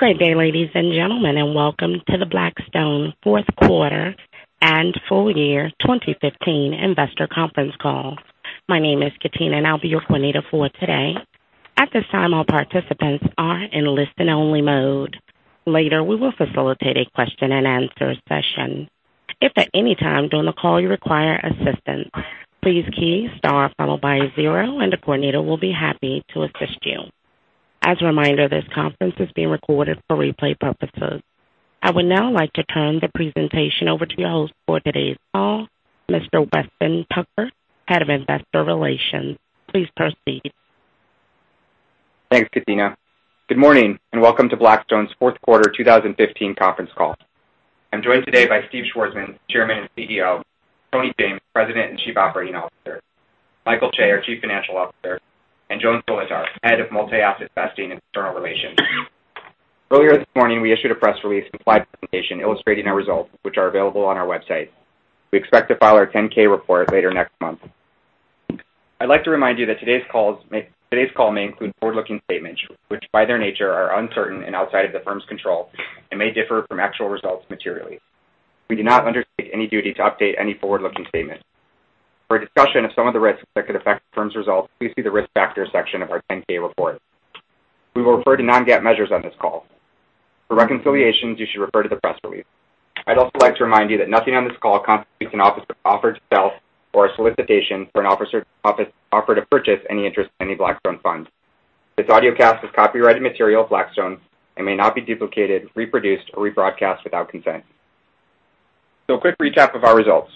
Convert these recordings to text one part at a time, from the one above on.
Good day, ladies and gentlemen, welcome to the Blackstone Fourth Quarter and Full Year 2015 investor conference call. My name is Katina, I'll be your coordinator for today. At this time, all participants are in listen-only mode. Later, we will facilitate a question and answer session. If at any time during the call you require assistance, please key star followed by 0, a coordinator will be happy to assist you. As a reminder, this conference is being recorded for replay purposes. I would now like to turn the presentation over to your host for today's call, Mr. Weston Tucker, Head of Investor Relations. Please proceed. Thanks, Katina. Good morning, welcome to Blackstone's Fourth Quarter 2015 conference call. I'm joined today by Steve Schwarzman, Chairman and CEO, Tony James, President and Chief Operating Officer, Michael Chae, our Chief Financial Officer, Joan Solotar, Head of Multi-Asset Investing and External Relations. Earlier this morning, we issued a press release, slide presentation illustrating our results, which are available on our website. We expect to file our 10-K report later next month. I'd like to remind you that today's call may include forward-looking statements, which, by their nature, are uncertain and outside of the firm's control and may differ from actual results materially. We do not undertake any duty to update any forward-looking statement. For a discussion of some of the risks that could affect the firm's results, please see the Risk Factors section of our 10-K report. We will refer to non-GAAP measures on this call. For reconciliations, you should refer to the press release. I'd also like to remind you that nothing on this call constitutes an offer to sell or a solicitation for an offer to purchase any interest in any Blackstone fund. This audiocast is copyrighted material of Blackstone and may not be duplicated, reproduced, or rebroadcast without consent. A quick recap of our results.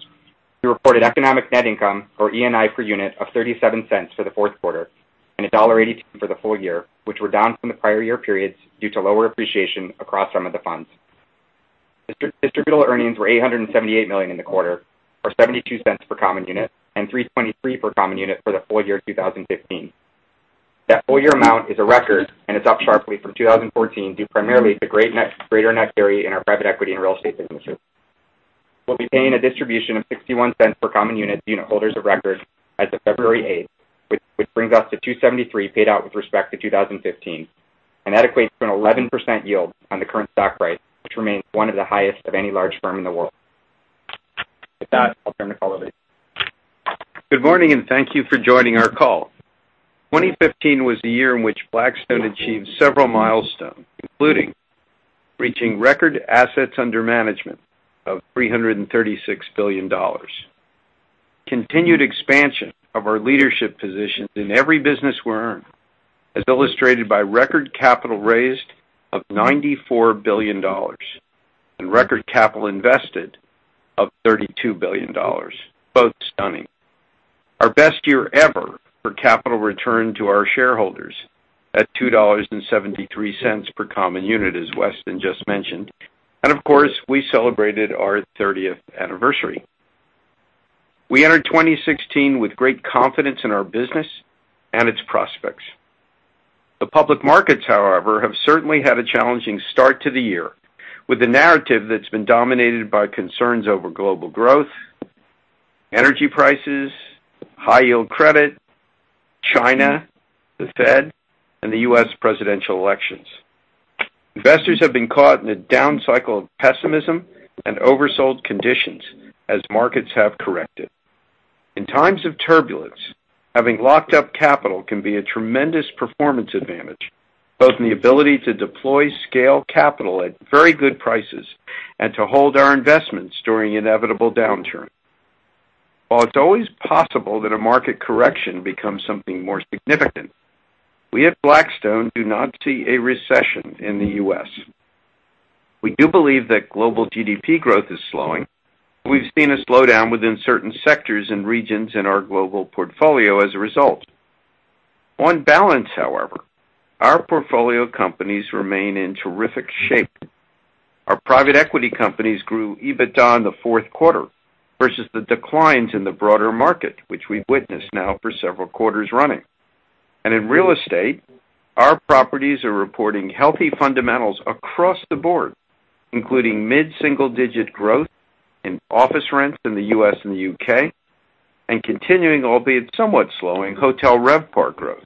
We reported economic net income or ENI per unit of $0.37 for the fourth quarter and $1.82 for the full year, which were down from the prior year periods due to lower appreciation across some of the funds. Distributable earnings were $878 million in the quarter, or $0.72 per common unit, and $3.23 per common unit for the full year 2015. That full year amount is a record, it's up sharply from 2014 due primarily to greater net carry in our private equity and real estate businesses. We'll be paying a distribution of $0.61 per common unit to unitholders of record as of February 8th, which brings us to $2.73 paid out with respect to 2015, that equates to an 11% yield on the current stock price, which remains one of the highest of any large firm in the world. With that, I'll turn the call over to you. Good morning. Thank you for joining our call. 2015 was the year in which Blackstone achieved several milestones, including reaching record assets under management of $336 billion. Continued expansion of our leadership position in every business we're in, as illustrated by record capital raised of $94 billion and record capital invested of $32 billion. Both stunning. Our best year ever for capital return to our shareholders at $2.73 per common unit, as Weston just mentioned. Of course, we celebrated our 30th anniversary. We entered 2016 with great confidence in our business and its prospects. The public markets, however, have certainly had a challenging start to the year, with the narrative that's been dominated by concerns over global growth, energy prices, high yield credit, China, the Fed, and the U.S. presidential elections. Investors have been caught in a down cycle of pessimism and oversold conditions as markets have corrected. In times of turbulence, having locked up capital can be a tremendous performance advantage, both in the ability to deploy scale capital at very good prices and to hold our investments during inevitable downturns. While it's always possible that a market correction becomes something more significant, we at Blackstone do not see a recession in the U.S. We do believe that global GDP growth is slowing, and we've seen a slowdown within certain sectors and regions in our global portfolio as a result. On balance, however, our portfolio companies remain in terrific shape. Our private equity companies grew EBITDA in the fourth quarter versus the declines in the broader market, which we've witnessed now for several quarters running. In real estate, our properties are reporting healthy fundamentals across the board, including mid-single-digit growth in office rents in the U.S. and the U.K., and continuing, albeit somewhat slowing, hotel RevPAR growth.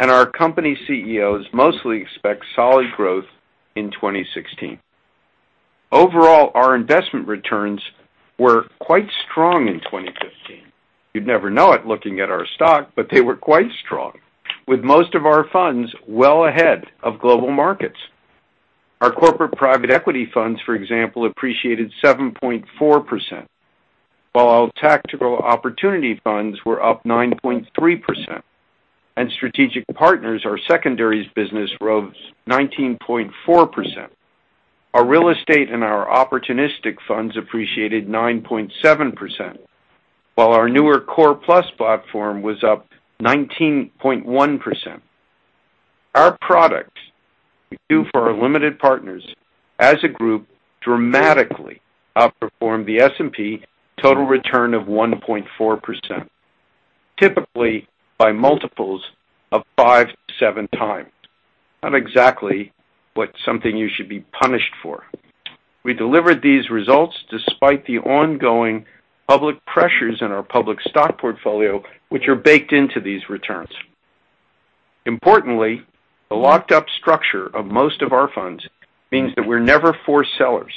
Our company CEOs mostly expect solid growth in 2016. Overall, our investment returns were quite strong in 2015. You'd never know it looking at our stock, but they were quite strong, with most of our funds well ahead of global markets. Our corporate private equity funds, for example, appreciated 7.4%, while our Tactical Opportunities funds were up 9.3%, and Strategic Partners, our secondaries business, rose 19.4%. Our real estate and our opportunistic funds appreciated 9.7%, while our newer Core Plus platform was up 19.1%. Our products we do for our limited partners as a group dramatically outperformed the S&P total return of 1.4%, typically by multiples of five to seven times. Not exactly something you should be punished for. We delivered these results despite the ongoing public pressures in our public stock portfolio, which are baked into these returns. Importantly, the locked-up structure of most of our funds means that we're never forced sellers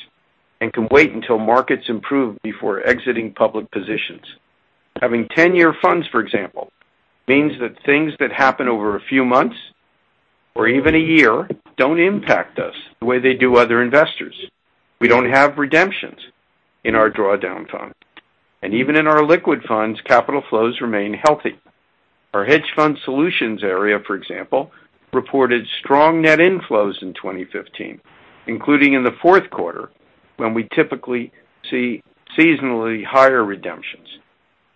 and can wait until markets improve before exiting public positions. Having 10-year funds, for example, means that things that happen over a few months or even a year don't impact us the way they do other investors. We don't have redemptions in our drawdown fund. Even in our liquid funds, capital flows remain healthy. Our hedge fund solutions area, for example, reported strong net inflows in 2015, including in the fourth quarter, when we typically see seasonally higher redemptions.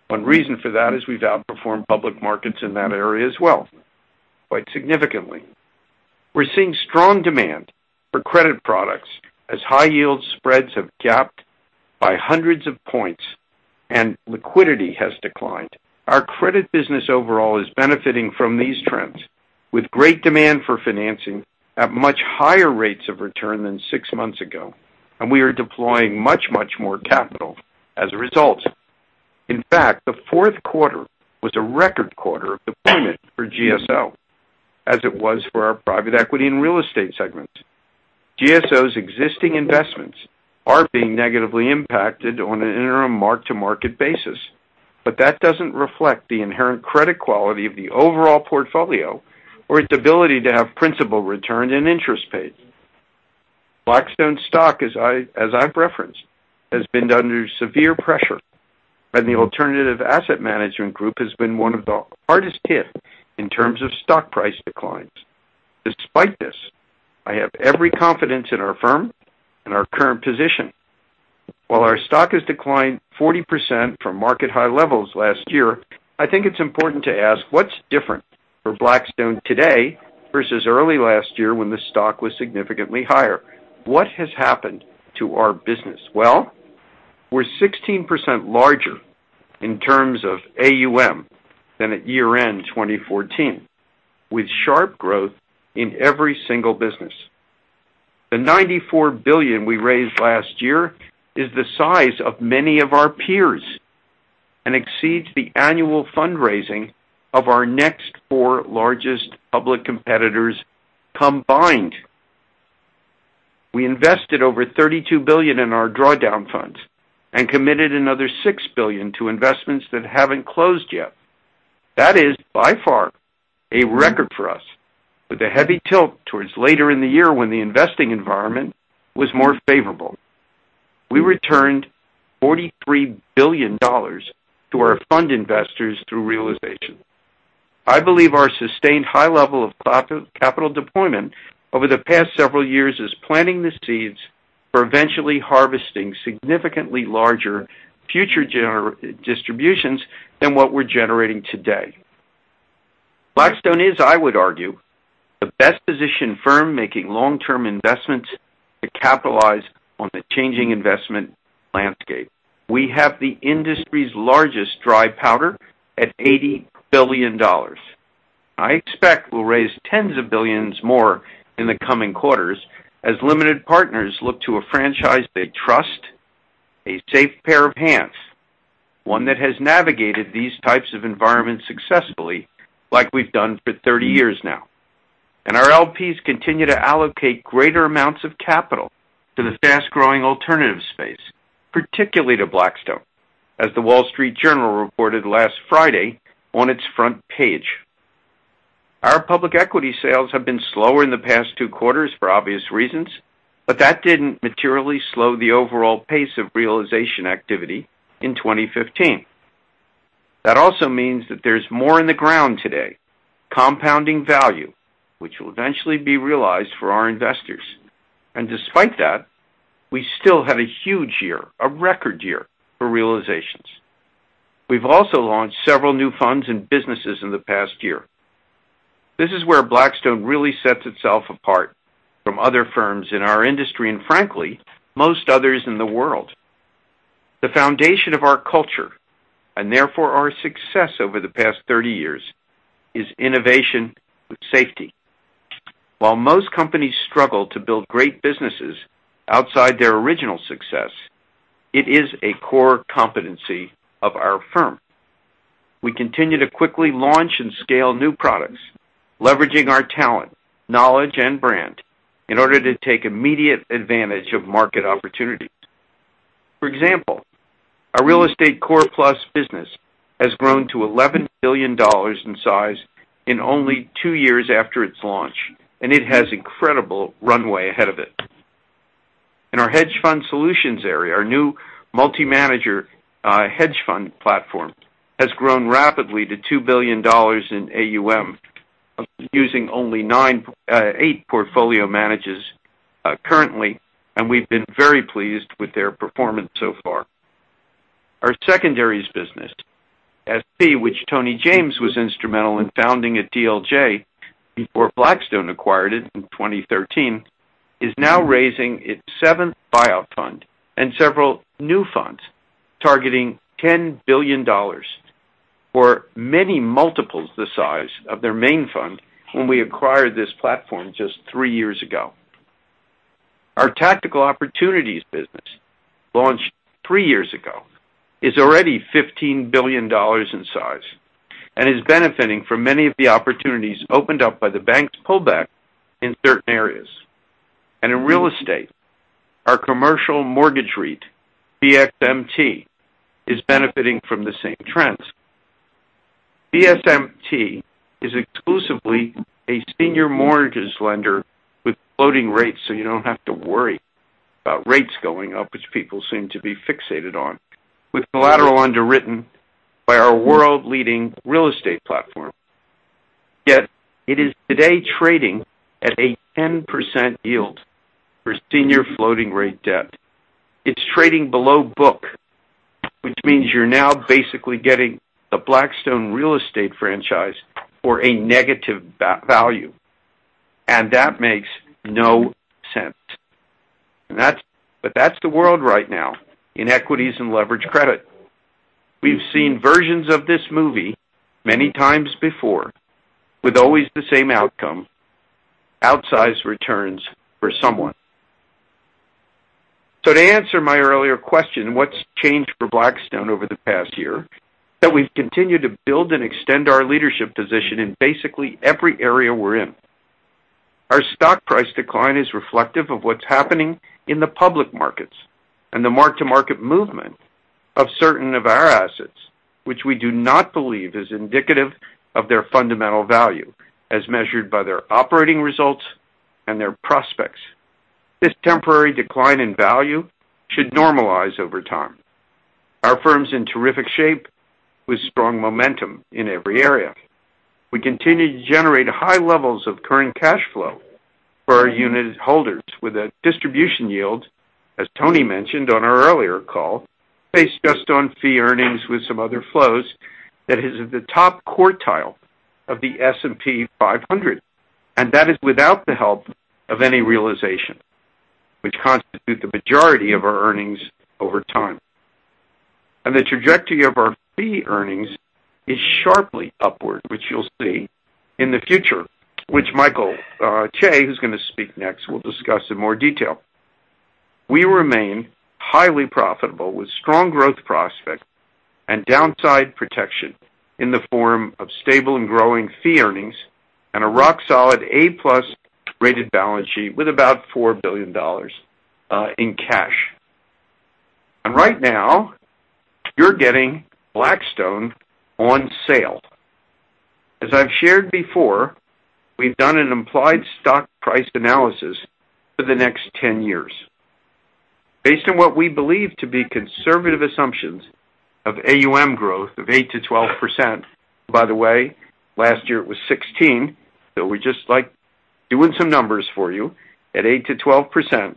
One reason for that is we've outperformed public markets in that area as well, quite significantly. We're seeing strong demand for credit products as high yield spreads have gapped by hundreds of points and liquidity has declined. Our credit business overall is benefiting from these trends, with great demand for financing at much higher rates of return than six months ago, and we are deploying much, much more capital as a result. In fact, the fourth quarter was a record quarter of deployment for GSO, as it was for our private equity and real estate segments. GSO's existing investments are being negatively impacted on an interim mark-to-market basis, but that doesn't reflect the inherent credit quality of the overall portfolio or its ability to have principal return and interest paid. Blackstone stock, as I've referenced, has been under severe pressure, and the alternative asset management group has been one of the hardest hit in terms of stock price declines. Despite this, I have every confidence in our firm and our current position. While our stock has declined 40% from market high levels last year, I think it's important to ask what's different for Blackstone today versus early last year when the stock was significantly higher. What has happened to our business? Well, we're 16% larger in terms of AUM than at year-end 2014, with sharp growth in every single business. The $94 billion we raised last year is the size of many of our peers and exceeds the annual fundraising of our next four largest public competitors combined. We invested over $32 billion in our drawdown funds and committed another $6 billion to investments that haven't closed yet. That is by far a record for us, with a heavy tilt towards later in the year when the investing environment was more favorable. We returned $43 billion to our fund investors through realization. I believe our sustained high level of capital deployment over the past several years is planting the seeds for eventually harvesting significantly larger future distributions than what we're generating today. Blackstone is, I would argue, the best-positioned firm making long-term investments to capitalize on the changing investment landscape. We have the industry's largest dry powder at $80 billion. I expect we'll raise tens of billions more in the coming quarters as limited partners look to a franchise they trust, a safe pair of hands, one that has navigated these types of environments successfully, like we've done for 30 years now. Our LPs continue to allocate greater amounts of capital to the fast-growing alternative space, particularly to Blackstone, as The Wall Street Journal reported last Friday on its front page. Our public equity sales have been slower in the past two quarters for obvious reasons, but that didn't materially slow the overall pace of realization activity in 2015. That also means that there's more in the ground today, compounding value, which will eventually be realized for our investors. Despite that, we still had a huge year, a record year for realizations. We've also launched several new funds and businesses in the past year. This is where Blackstone really sets itself apart from other firms in our industry, and frankly, most others in the world. The foundation of our culture, and therefore our success over the past 30 years, is innovation with safety. While most companies struggle to build great businesses outside their original success, it is a core competency of our firm. We continue to quickly launch and scale new products, leveraging our talent, knowledge, and brand in order to take immediate advantage of market opportunities. For example, our Real Estate Core Plus business has grown to $11 billion in size in only two years after its launch, and it has incredible runway ahead of it. In our hedge fund solutions area, our new multi-manager hedge fund platform has grown rapidly to $2 billion in AUM, using only eight portfolio managers currently, and we've been very pleased with their performance so far. Our secondaries business, SP, which Tony James was instrumental in founding at DLJ before Blackstone acquired it in 2013, is now raising its seventh buyout fund and several new funds targeting $10 billion, or many multiples the size of their main fund when we acquired this platform just three years ago. Our Tactical Opportunities business, launched three years ago, is already $15 billion in size and is benefiting from many of the opportunities opened up by the bank's pullback in certain areas. In real estate, our commercial mortgage REIT, BXMT, is benefiting from the same trends. BXMT is exclusively a senior mortgages lender with floating rates, so you don't have to worry about rates going up, which people seem to be fixated on, with collateral underwritten by our world-leading real estate platform. Yet it is today trading at a 10% yield for senior floating rate debt. It's trading below book, which means you're now basically getting the Blackstone real estate franchise for a negative value, and that makes no sense. That's the world right now in equities and leverage credit. We've seen versions of this movie many times before with always the same outcome, outsized returns for someone. To answer my earlier question, what's changed for Blackstone over the past year, that we've continued to build and extend our leadership position in basically every area we're in. Our stock price decline is reflective of what's happening in the public markets and the market-to-market movement of certain of our assets, which we do not believe is indicative of their fundamental value as measured by their operating results and their prospects. This temporary decline in value should normalize over time. Our firm's in terrific shape with strong momentum in every area. We continue to generate high levels of current cash flow for our unitholders with a distribution yield, as Tony mentioned on our earlier call, based just on fee earnings with some other flows that is at the top quartile of the S&P 500, that is without the help of any realization, which constitute the majority of our earnings over time. The trajectory of our fee earnings is sharply upward, which you'll see in the future, which Michael Chae, who's going to speak next, will discuss in more detail. We remain highly profitable with strong growth prospects and downside protection in the form of stable and growing fee earnings and a rock-solid A+ rated balance sheet with about $4 billion in cash. Right now you're getting Blackstone on sale. As I've shared before, we've done an implied stock price analysis for the next 10 years based on what we believe to be conservative assumptions of AUM growth of 8%-12%. By the way, last year it was 16, so we just like doing some numbers for you at 8%-12%,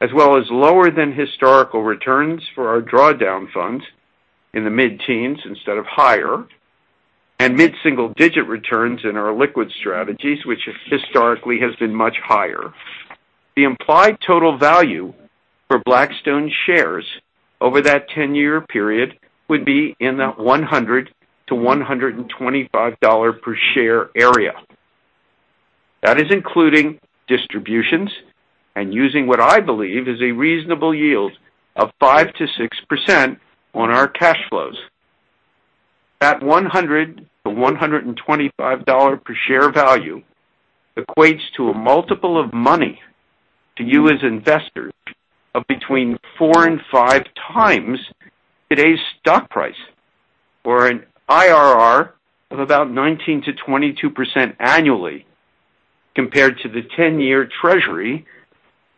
as well as lower than historical returns for our drawdown funds in the mid-teens instead of higher, and mid-single-digit returns in our liquid strategies, which historically has been much higher. The implied total value for Blackstone shares over that 10-year period would be in the $100-$125 per share area. That is including distributions and using what I believe is a reasonable yield of 5%-6% on our cash flows. That $100-$125 per share value equates to a multiple of money to you as investors of between four and five times today's stock price, or an IRR of about 19%-22% annually compared to the 10-year Treasury,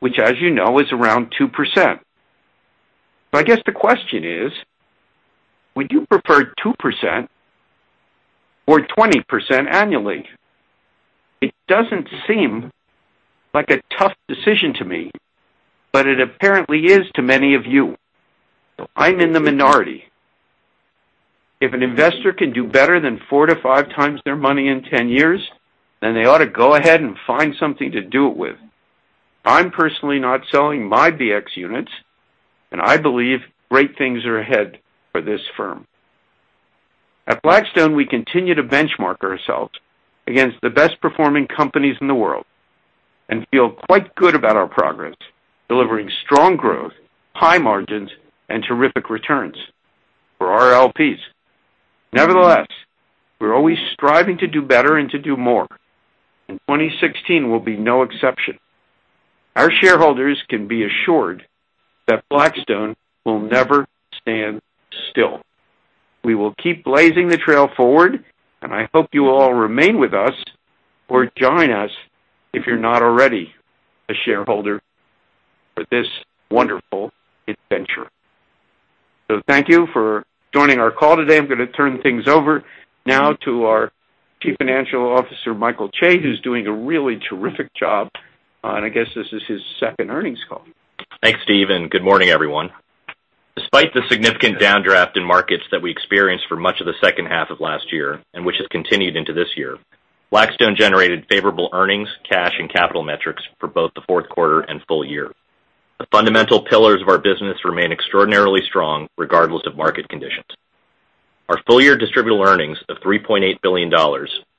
which as you know, is around 2%. I guess the question is, would you prefer 2% or 20% annually? It doesn't seem like a tough decision to me, but it apparently is to many of you. I'm in the minority. If an investor can do better than four to five times their money in 10 years, they ought to go ahead and find something to do it with. I'm personally not selling my BX units, and I believe great things are ahead for this firm. At Blackstone, we continue to benchmark ourselves against the best performing companies in the world and feel quite good about our progress, delivering strong growth, high margins, and terrific returns for our LPs. Nevertheless, we're always striving to do better and to do more, 2016 will be no exception. Our shareholders can be assured that Blackstone will never stand still. We will keep blazing the trail forward, and I hope you will all remain with us or join us if you're not already a shareholder for this wonderful adventure. Thank you for joining our call today. I'm going to turn things over now to our Chief Financial Officer, Michael Chae, who's doing a really terrific job. I guess this is his second earnings call. Thanks, Steve, and good morning, everyone. Despite the significant downdraft in markets that we experienced for much of the second half of last year, which has continued into this year, Blackstone generated favorable earnings, cash, and capital metrics for both the fourth quarter and full year. The fundamental pillars of our business remain extraordinarily strong regardless of market conditions. Our full-year distributable earnings of $3.8 billion,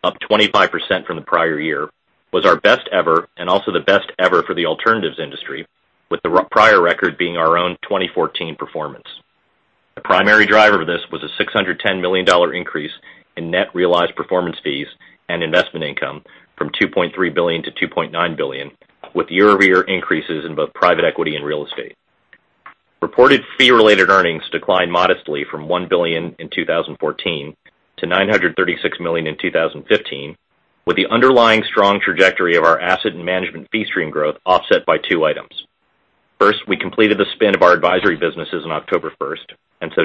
up 25% from the prior year, was our best ever and also the best ever for the alternatives industry, with the prior record being our own 2014 performance. The primary driver of this was a $610 million increase in net realized performance fees and investment income from $2.3 billion-$2.9 billion, with year-over-year increases in both private equity and real estate. Reported fee-related earnings declined modestly from $1 billion in 2014 to $936 million in 2015, with the underlying strong trajectory of our asset and management fee stream growth offset by two items. First, we completed the spin of our advisory businesses on October 1st,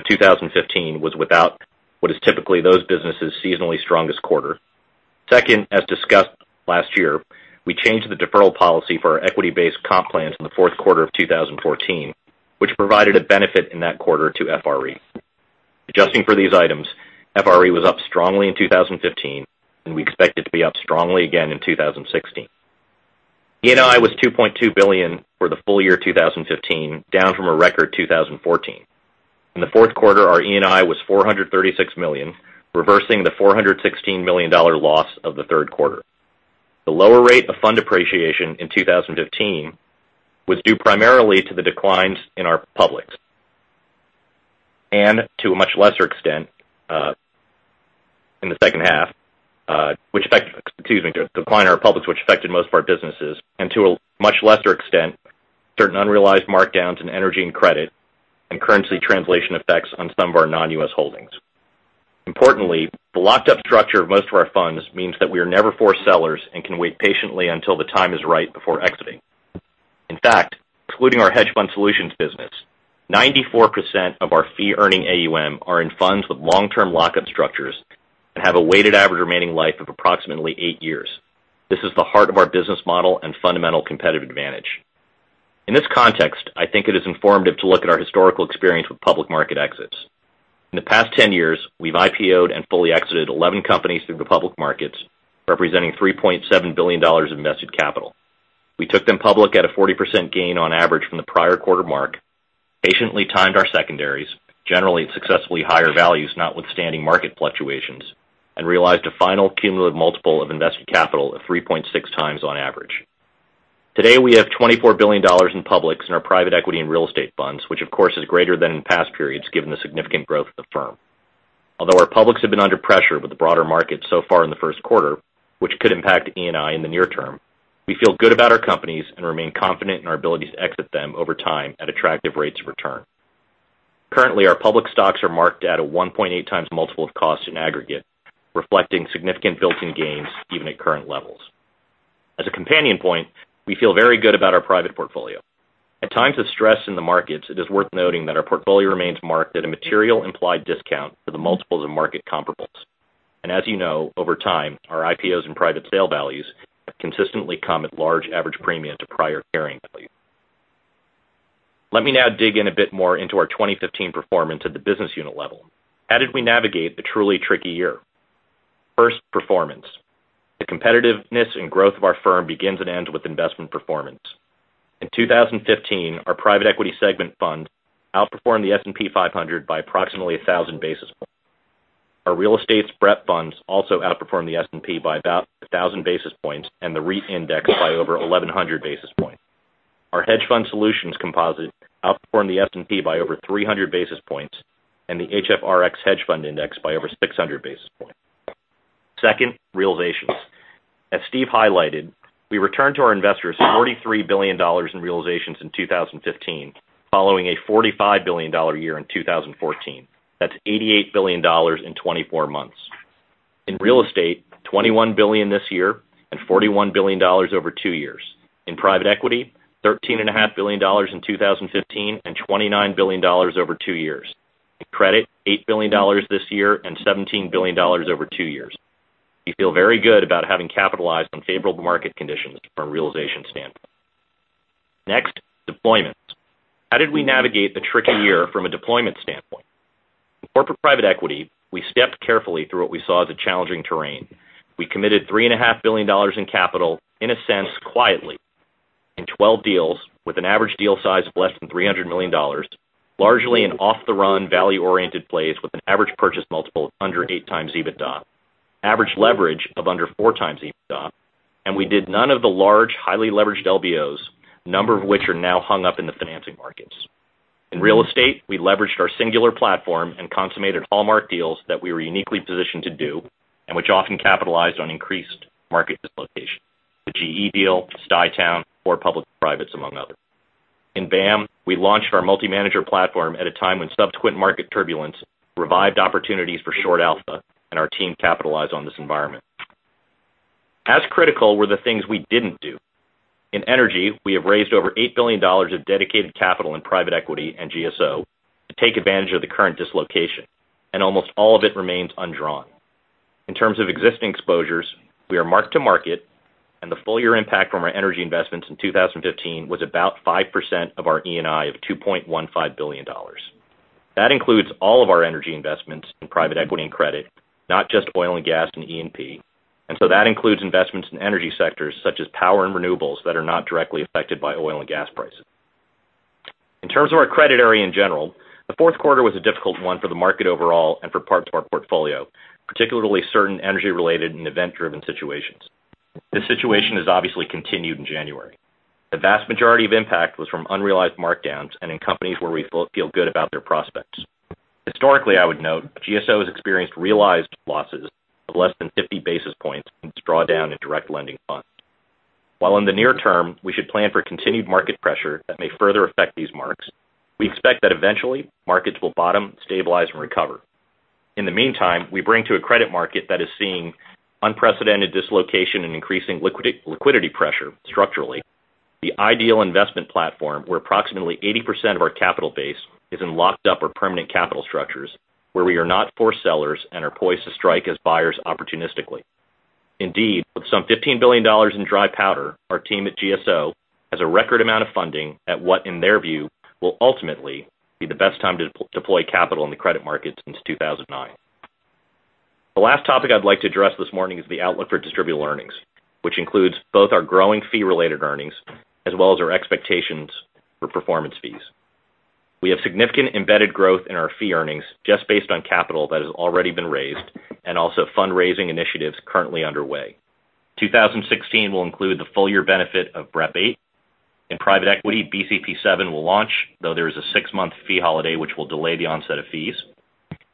2015 was without what is typically those businesses' seasonally strongest quarter. Second, as discussed last year, we changed the deferral policy for our equity-based comp plans in the fourth quarter of 2014, which provided a benefit in that quarter to FRE. Adjusting for these items, FRE was up strongly in 2015, and we expect it to be up strongly again in 2016. ENI was $2.2 billion for the full year 2015, down from a record 2014. In the fourth quarter, our ENI was $436 million, reversing the $416 million loss of the third quarter. The lower rate of fund depreciation in 2015 was due primarily to the declines in our publics and to a much lesser extent in the second half, which affected. Excuse me. The decline in our publics, which affected most of our businesses, and to a much lesser extent, certain unrealized markdowns in energy and credit and currency translation effects on some of our non-U.S. holdings. Importantly, the locked-up structure of most of our funds means that we are never forced sellers and can wait patiently until the time is right before exiting. In fact, excluding our hedge fund solutions business, 94% of our fee-earning AUM are in funds with long-term lock-up structures and have a weighted average remaining life of approximately eight years. This is the heart of our business model and fundamental competitive advantage. In this context, I think it is informative to look at our historical experience with public market exits. In the past 10 years, we've IPO'd and fully exited 11 companies through the public markets, representing $3.7 billion of invested capital. We took them public at a 40% gain on average from the prior quarter mark, patiently timed our secondaries, generally at successfully higher values notwithstanding market fluctuations, and realized a final cumulative multiple of invested capital of 3.6 times on average. Today, we have $24 billion in publics in our private equity and real estate funds, which of course is greater than in past periods, given the significant growth of the firm. Although our publics have been under pressure with the broader market so far in the first quarter, which could impact ENI in the near term, we feel good about our companies and remain confident in our ability to exit them over time at attractive rates of return. Currently, our public stocks are marked at a 1.8 times multiple of cost in aggregate, reflecting significant built-in gains even at current levels. As a companion point, we feel very good about our private portfolio. At times of stress in the markets, it is worth noting that our portfolio remains marked at a material implied discount to the multiples of market comparables. As you know, over time, our IPOs and private sale values have consistently come at large average premiums to prior carrying values. Let me now dig in a bit more into our 2015 performance at the business unit level. How did we navigate the truly tricky year? First, performance. The competitiveness and growth of our firm begins and ends with investment performance. In 2015, our private equity segment funds outperformed the S&P 500 by approximately 1,000 basis points. Our real estate's BREP funds also outperformed the S&P by about 1,000 basis points and the REIT index by over 1,100 basis points. Our hedge fund solutions composite outperformed the S&P by over 300 basis points and the HFRX Global Hedge Fund Index by over 600 basis points. Second, realizations. As Steve highlighted, we returned to our investors $43 billion in realizations in 2015, following a $45 billion year in 2014. That's $88 billion in 24 months. In real estate, $21 billion this year and $41 billion over two years. In private equity, $13.5 billion in 2015 and $29 billion over two years. In credit, $8 billion this year and $17 billion over two years. We feel very good about having capitalized on favorable market conditions from a realization standpoint. Next, deployments. How did we navigate the tricky year from a deployment standpoint? In corporate private equity, we stepped carefully through what we saw as a challenging terrain. We committed $3.5 billion in capital, in a sense, quietly in 12 deals with an average deal size of less than $300 million, largely in off-the-run, value-oriented plays with an average purchase multiple of under eight times EBITDA, average leverage of under four times EBITDA, we did none of the large, highly leveraged LBOs, a number of which are now hung up in the financing markets. In real estate, we leveraged our singular platform and consummated hallmark deals that we were uniquely positioned to do and which often capitalized on increased market dislocation. The GE deal, Stuytown, or public to privates, among others. In BAAM, we launched our multi-manager platform at a time when subsequent market turbulence revived opportunities for short alpha, and our team capitalized on this environment. As critical were the things we didn't do. In energy, we have raised over $8 billion of dedicated capital in private equity and GSO to take advantage of the current dislocation, and almost all of it remains undrawn. In terms of existing exposures, we are mark to market, and the full-year impact from our energy investments in 2015 was about 5% of our ENI of $2.15 billion. That includes all of our energy investments in private equity and credit, not just oil and gas and E&P. That includes investments in energy sectors such as power and renewables that are not directly affected by oil and gas prices. In terms of our credit area in general, the fourth quarter was a difficult one for the market overall and for parts of our portfolio, particularly certain energy-related and event-driven situations. This situation has obviously continued in January. The vast majority of impact was from unrealized markdowns and in companies where we feel good about their prospects. Historically, I would note, GSO has experienced realized losses of less than 50 basis points from its drawdown in direct lending funds. While in the near term, we should plan for continued market pressure that may further affect these marks, we expect that eventually markets will bottom, stabilize, and recover. In the meantime, we bring to a credit market that is seeing unprecedented dislocation and increasing liquidity pressure structurally, the ideal investment platform, where approximately 80% of our capital base is in locked-up or permanent capital structures where we are not forced sellers and are poised to strike as buyers opportunistically. Indeed, with some $15 billion in dry powder, our team at GSO has a record amount of funding at what, in their view, will ultimately be the best time to deploy capital in the credit markets since 2009. The last topic I'd like to address this morning is the outlook for distributable earnings, which includes both our growing fee-related earnings as well as our expectations for performance fees. We have significant embedded growth in our fee earnings just based on capital that has already been raised and also fundraising initiatives currently underway. 2016 will include the full year benefit of BREP VIII. In private equity, BCP VII will launch, though there is a six-month fee holiday which will delay the onset of fees.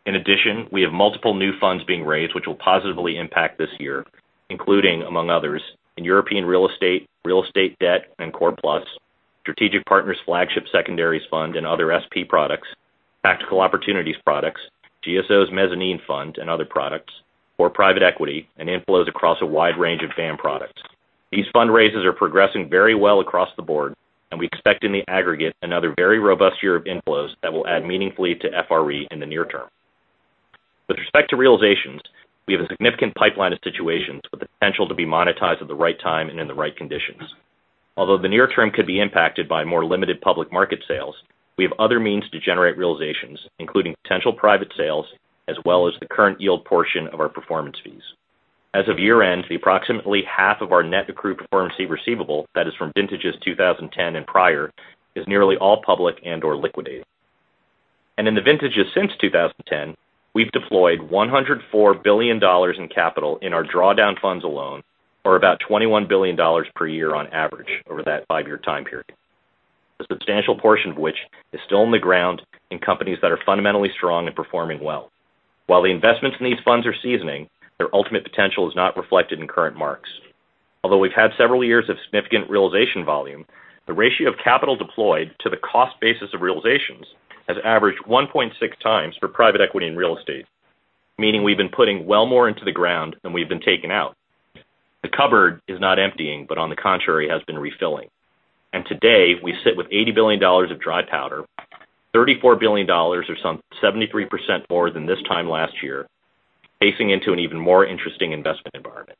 In addition, we have multiple new funds being raised which will positively impact this year, including among others, in European real estate, real estate debt, and Core Plus, Strategic Partners flagship secondaries fund and other SP products, Tactical Opportunities products, GSO Capital Opportunities Fund and other products, or private equity, and inflows across a wide range of BAAM products. These fundraises are progressing very well across the board, and we expect in the aggregate another very robust year of inflows that will add meaningfully to FRE in the near term. With respect to realizations, we have a significant pipeline of situations with the potential to be monetized at the right time and in the right conditions. Although the near term could be impacted by more limited public market sales, we have other means to generate realizations, including potential private sales, as well as the current yield portion of our performance fees. As of year-end, the approximately half of our net accrued performance fee receivable that is from vintages 2010 and prior is nearly all public and/or liquidated. In the vintages since 2010, we've deployed $104 billion in capital in our drawdown funds alone, or about $21 billion per year on average over that five-year time period. A substantial portion of which is still in the ground in companies that are fundamentally strong and performing well. While the investments in these funds are seasoning, their ultimate potential is not reflected in current marks. Although we've had several years of significant realization volume, the ratio of capital deployed to the cost basis of realizations has averaged 1.6 times for private equity and real estate, meaning we've been putting well more into the ground than we've been taken out. The cupboard is not emptying, on the contrary, has been refilling. Today, we sit with $80 billion of dry powder, $34 billion or some 73% more than this time last year, facing into an even more interesting investment environment.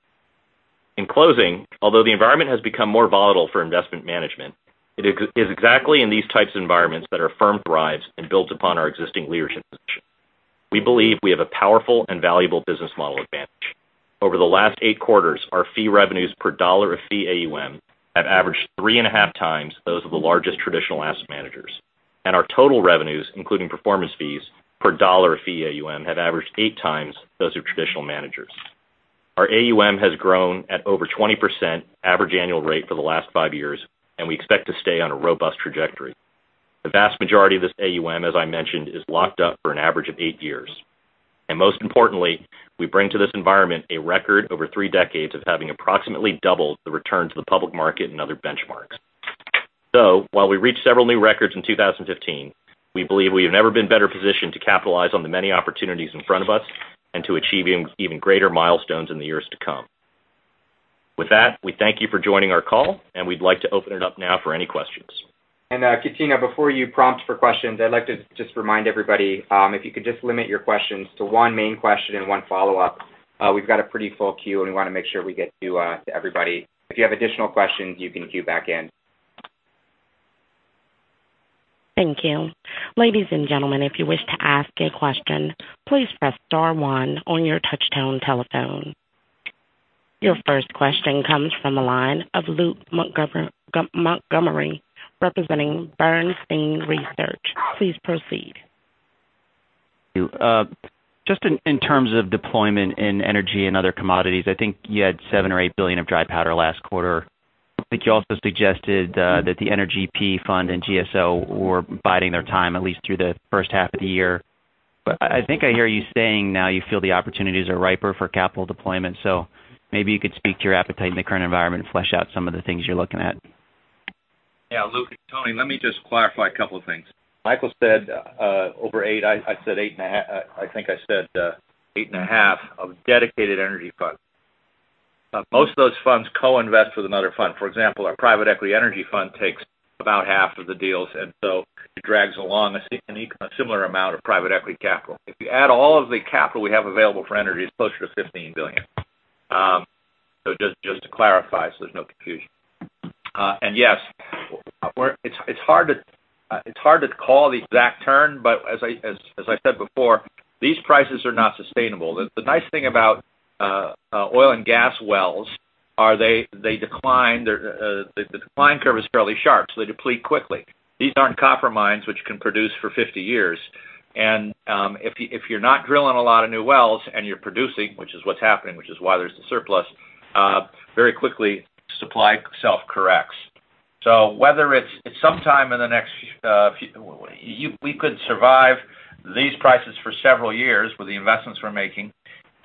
In closing, although the environment has become more volatile for investment management, it is exactly in these types of environments that our firm thrives and builds upon our existing leadership position. We believe we have a powerful and valuable business model advantage. Over the last eight quarters, our fee revenues per dollar of fee AUM have averaged three and a half times those of the largest traditional asset managers. Our total revenues, including performance fees per dollar of fee AUM, have averaged eight times those of traditional managers. Our AUM has grown at over 20% average annual rate for the last five years, and we expect to stay on a robust trajectory. The vast majority of this AUM, as I mentioned, is locked up for an average of eight years. Most importantly, we bring to this environment a record over three decades of having approximately doubled the return to the public market and other benchmarks. While we reached several new records in 2015, we believe we have never been better positioned to capitalize on the many opportunities in front of us and to achieve even greater milestones in the years to come. With that, we thank you for joining our call, and we'd like to open it up now for any questions. Katina, before you prompt for questions, I'd like to just remind everybody, if you could just limit your questions to one main question and one follow-up. We've got a pretty full queue, and we want to make sure we get to everybody. If you have additional questions, you can queue back in. Thank you. Ladies and gentlemen, if you wish to ask a question, please press star one on your touchtone telephone. Your first question comes from the line of Luke Montgomery, representing Bernstein Research. Please proceed. Just in terms of deployment in energy and other commodities, I think you had $7 billion or $8 billion of dry powder last quarter. I think you also suggested that the Energy PE fund and GSO were biding their time, at least through the first half of the year. I think I hear you saying now you feel the opportunities are riper for capital deployment. Maybe you could speak to your appetite in the current environment and flesh out some of the things you're looking at. Yeah, Luke, it's Tony. Let me just clarify a couple of things. Michael said over $8. I said $8.5 I think I said, $8.5 of dedicated energy funds. Most of those funds co-invest with another fund. For example, our private equity energy fund takes about half of the deals, it drags along a similar amount of private equity capital. If you add all of the capital we have available for energy, it's closer to $15 billion. Just to clarify so there's no confusion. Yes, it's hard to call the exact turn, but as I said before, these prices are not sustainable. The nice thing about oil and gas wells are the decline curve is fairly sharp, so they deplete quickly. These aren't copper mines, which can produce for 50 years. If you're not drilling a lot of new wells and you're producing, which is what's happening, which is why there's a surplus, very quickly, supply self-corrects. Whether it's sometime in the next we could survive these prices for several years with the investments we're making,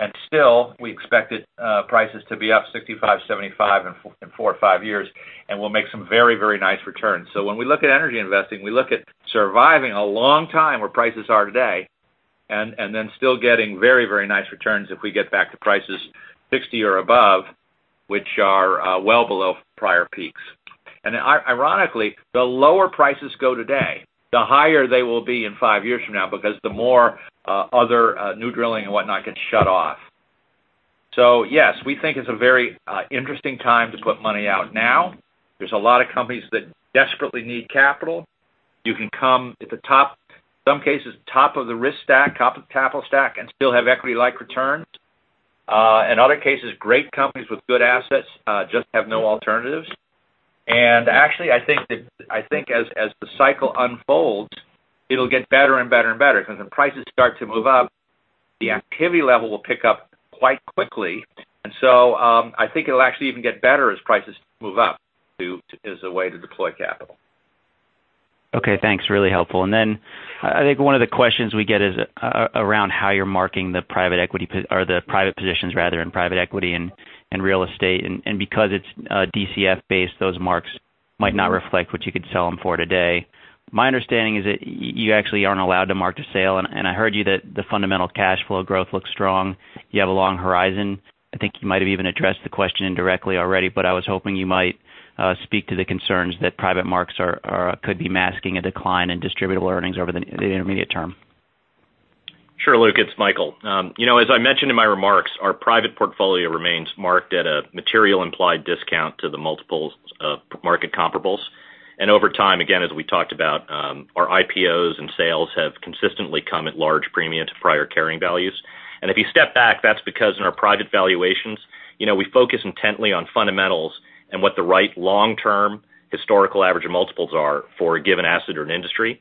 and still we expected prices to be up $65, $75 in four or five years, and we'll make some very, very nice returns. When we look at energy investing, we look at surviving a long time where prices are today, and then still getting very, very nice returns if we get back to prices $60 or above, which are well below prior peaks. Ironically, the lower prices go today, the higher they will be in five years from now, because the more other new drilling and whatnot gets shut off. Yes, we think it's a very interesting time to put money out now. There's a lot of companies that desperately need capital. You can come at the top, some cases, top of the risk stack, top of capital stack, and still have equity-like returns. In other cases, great companies with good assets, just have no alternatives. Actually, I think as the cycle unfolds, it'll get better and better and better, because when prices start to move up, the activity level will pick up quite quickly. I think it'll actually even get better as prices move up as a way to deploy capital. Okay, thanks. Really helpful. I think one of the questions we get is around how you're marking the private positions rather, in private equity and real estate. Because it's DCF-based, those marks might not reflect what you could sell them for today. My understanding is that you actually aren't allowed to mark to sale, and I heard you that the fundamental cash flow growth looks strong. You have a long horizon. I think you might have even addressed the question indirectly already, but I was hoping you might speak to the concerns that private marks could be masking a decline in distributable earnings over the intermediate term. Sure, Luke, it's Michael. As I mentioned in my remarks, our private portfolio remains marked at a material implied discount to the multiples of market comparables. Over time, again, as we talked about, our IPOs and sales have consistently come at large premium to prior carrying values. If you step back, that's because in our private valuations, we focus intently on fundamentals and what the right long-term historical average of multiples are for a given asset or an industry.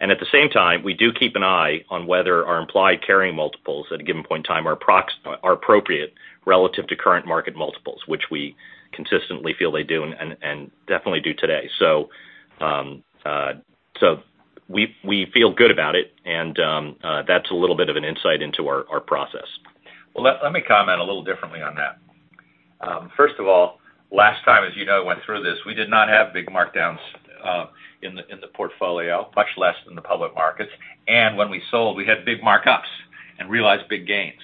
At the same time, we do keep an eye on whether our implied carrying multiples at a given point in time are appropriate relative to current market multiples, which we consistently feel they do and definitely do today. We feel good about it, and that's a little bit of an insight into our process. Well, let me comment a little differently on that. First of all, last time, as you know, went through this, we did not have big markdowns in the portfolio, much less than the public markets. When we sold, we had big markups and realized big gains.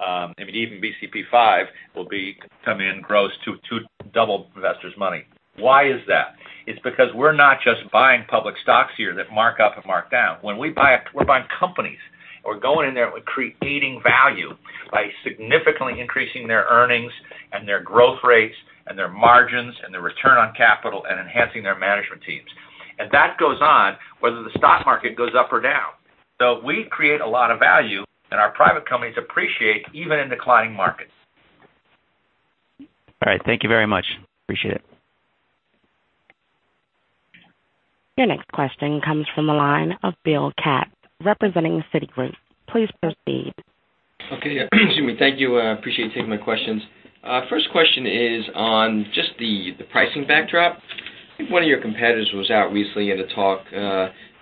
I mean, even BCP V will be coming in gross to double investors' money. Why is that? It's because we're not just buying public stocks here that mark up and mark down. When we buy, we're buying companies. We're going in there, we're creating value by significantly increasing their earnings and their growth rates and their margins and their return on capital and enhancing their management teams. That goes on whether the stock market goes up or down. We create a lot of value, and our private companies appreciate even in declining markets. All right. Thank you very much. Appreciate it. Your next question comes from the line of Bill Katz representing Citigroup. Please proceed. Okay. Excuse me. Thank you. I appreciate you taking my questions. First question is on just the pricing backdrop. I think one of your competitors was out recently in a talk,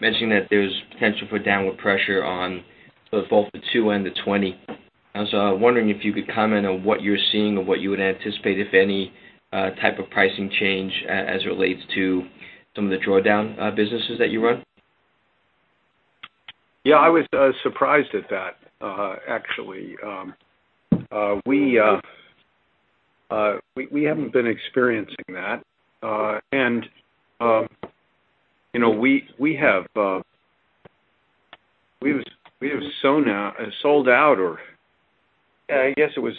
mentioning that there's potential for downward pressure on both the two and the 20. I was wondering if you could comment on what you're seeing or what you would anticipate, if any, type of pricing change as it relates to some of the drawdown businesses that you run. Yeah, I was surprised at that, actually. We haven't been experiencing that. We have sold out or I guess it was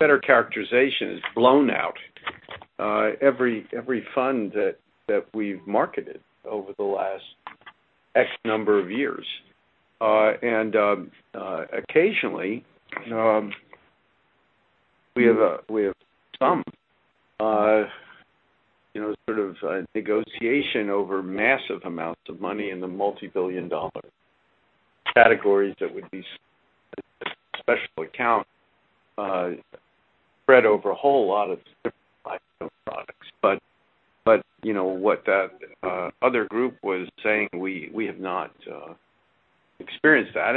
better characterization is blown out every fund that we've marketed over the last X number of years. Occasionally, we have some sort of negotiation over massive amounts of money in the multi-billion dollar categories that would be special account spread over a whole lot of different types of products. What that other group was saying, we have not experienced that.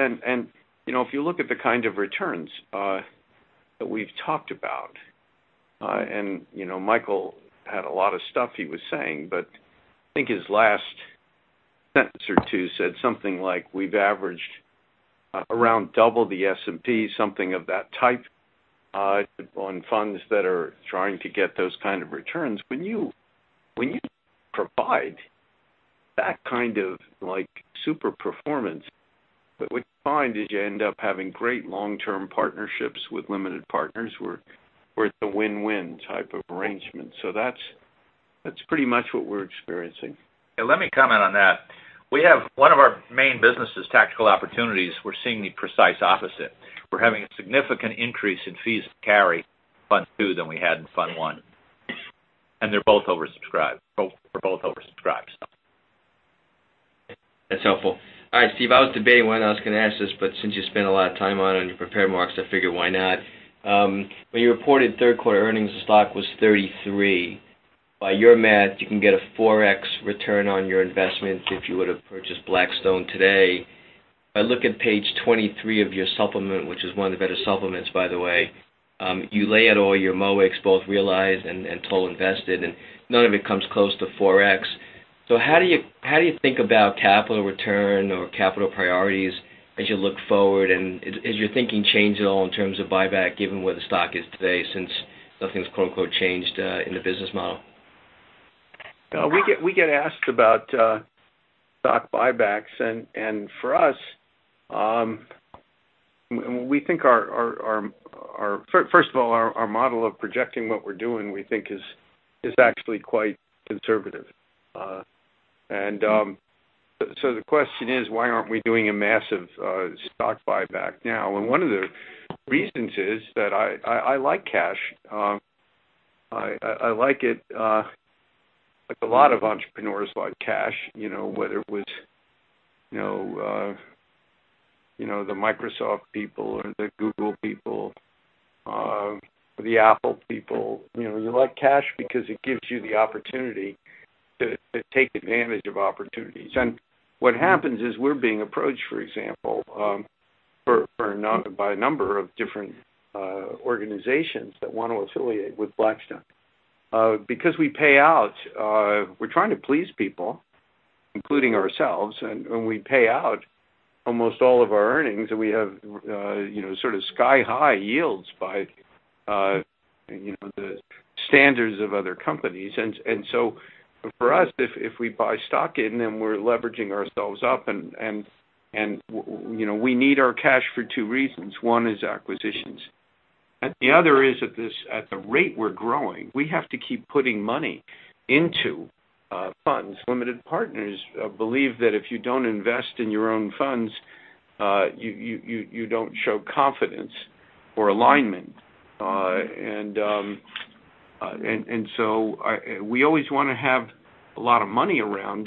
If you look at the kind of returns that we've talked about, Michael had a lot of stuff he was saying, but I think his last sentence or two said something like, we've averaged around double the S&P, something of that type, on funds that are trying to get those kind of returns. When you provide that kind of super performance. What you find is you end up having great long-term partnerships with limited partners where it's a win-win type of arrangement. That's pretty much what we're experiencing. That kind of super performance. What you find is you end up having great long-term partnerships with limited partners where it's a win-win type of arrangement. That's pretty much what we're experiencing. Yeah, let me comment on that. One of our main businesses, Tactical Opportunities, we're seeing the precise opposite. We're having a significant increase in fees to carry in Fund Two than we had in Fund One. They're both oversubscribed. That's helpful. All right, Steve, I was debating whether or not I was going to ask this, but since you spent a lot of time on it in your prepared remarks, I figured why not. When you reported third quarter earnings, the stock was 33. By your math, you can get a 4x return on your investment if you were to purchase Blackstone today. If I look at page 23 of your supplement, which is one of the better supplements, by the way, you lay out all your MOICs, both realized and total invested, none of it comes close to 4x. How do you think about capital return or capital priorities as you look forward? Has your thinking changed at all in terms of buyback, given where the stock is today, since nothing's quote unquote changed in the business model? We get asked about stock buybacks, and for us, first of all, our model of projecting what we're doing, we think is actually quite conservative. The question is, why aren't we doing a massive stock buyback now? One of the reasons is that I like cash. I like it, like a lot of entrepreneurs like cash, whether it was the Microsoft people or the Google people, the Apple people. You like cash because it gives you the opportunity to take advantage of opportunities. What happens is we're being approached, for example, by a number of different organizations that want to affiliate with Blackstone because we pay out. We're trying to please people, including ourselves, and we pay out almost all of our earnings, and we have sort of sky-high yields by the standards of other companies. For us, if we buy stock in them, we're leveraging ourselves up, and we need our cash for two reasons. One is acquisitions, and the other is at the rate we're growing, we have to keep putting money into funds. Limited partners believe that if you don't invest in your own funds, you don't show confidence or alignment. We always want to have a lot of money around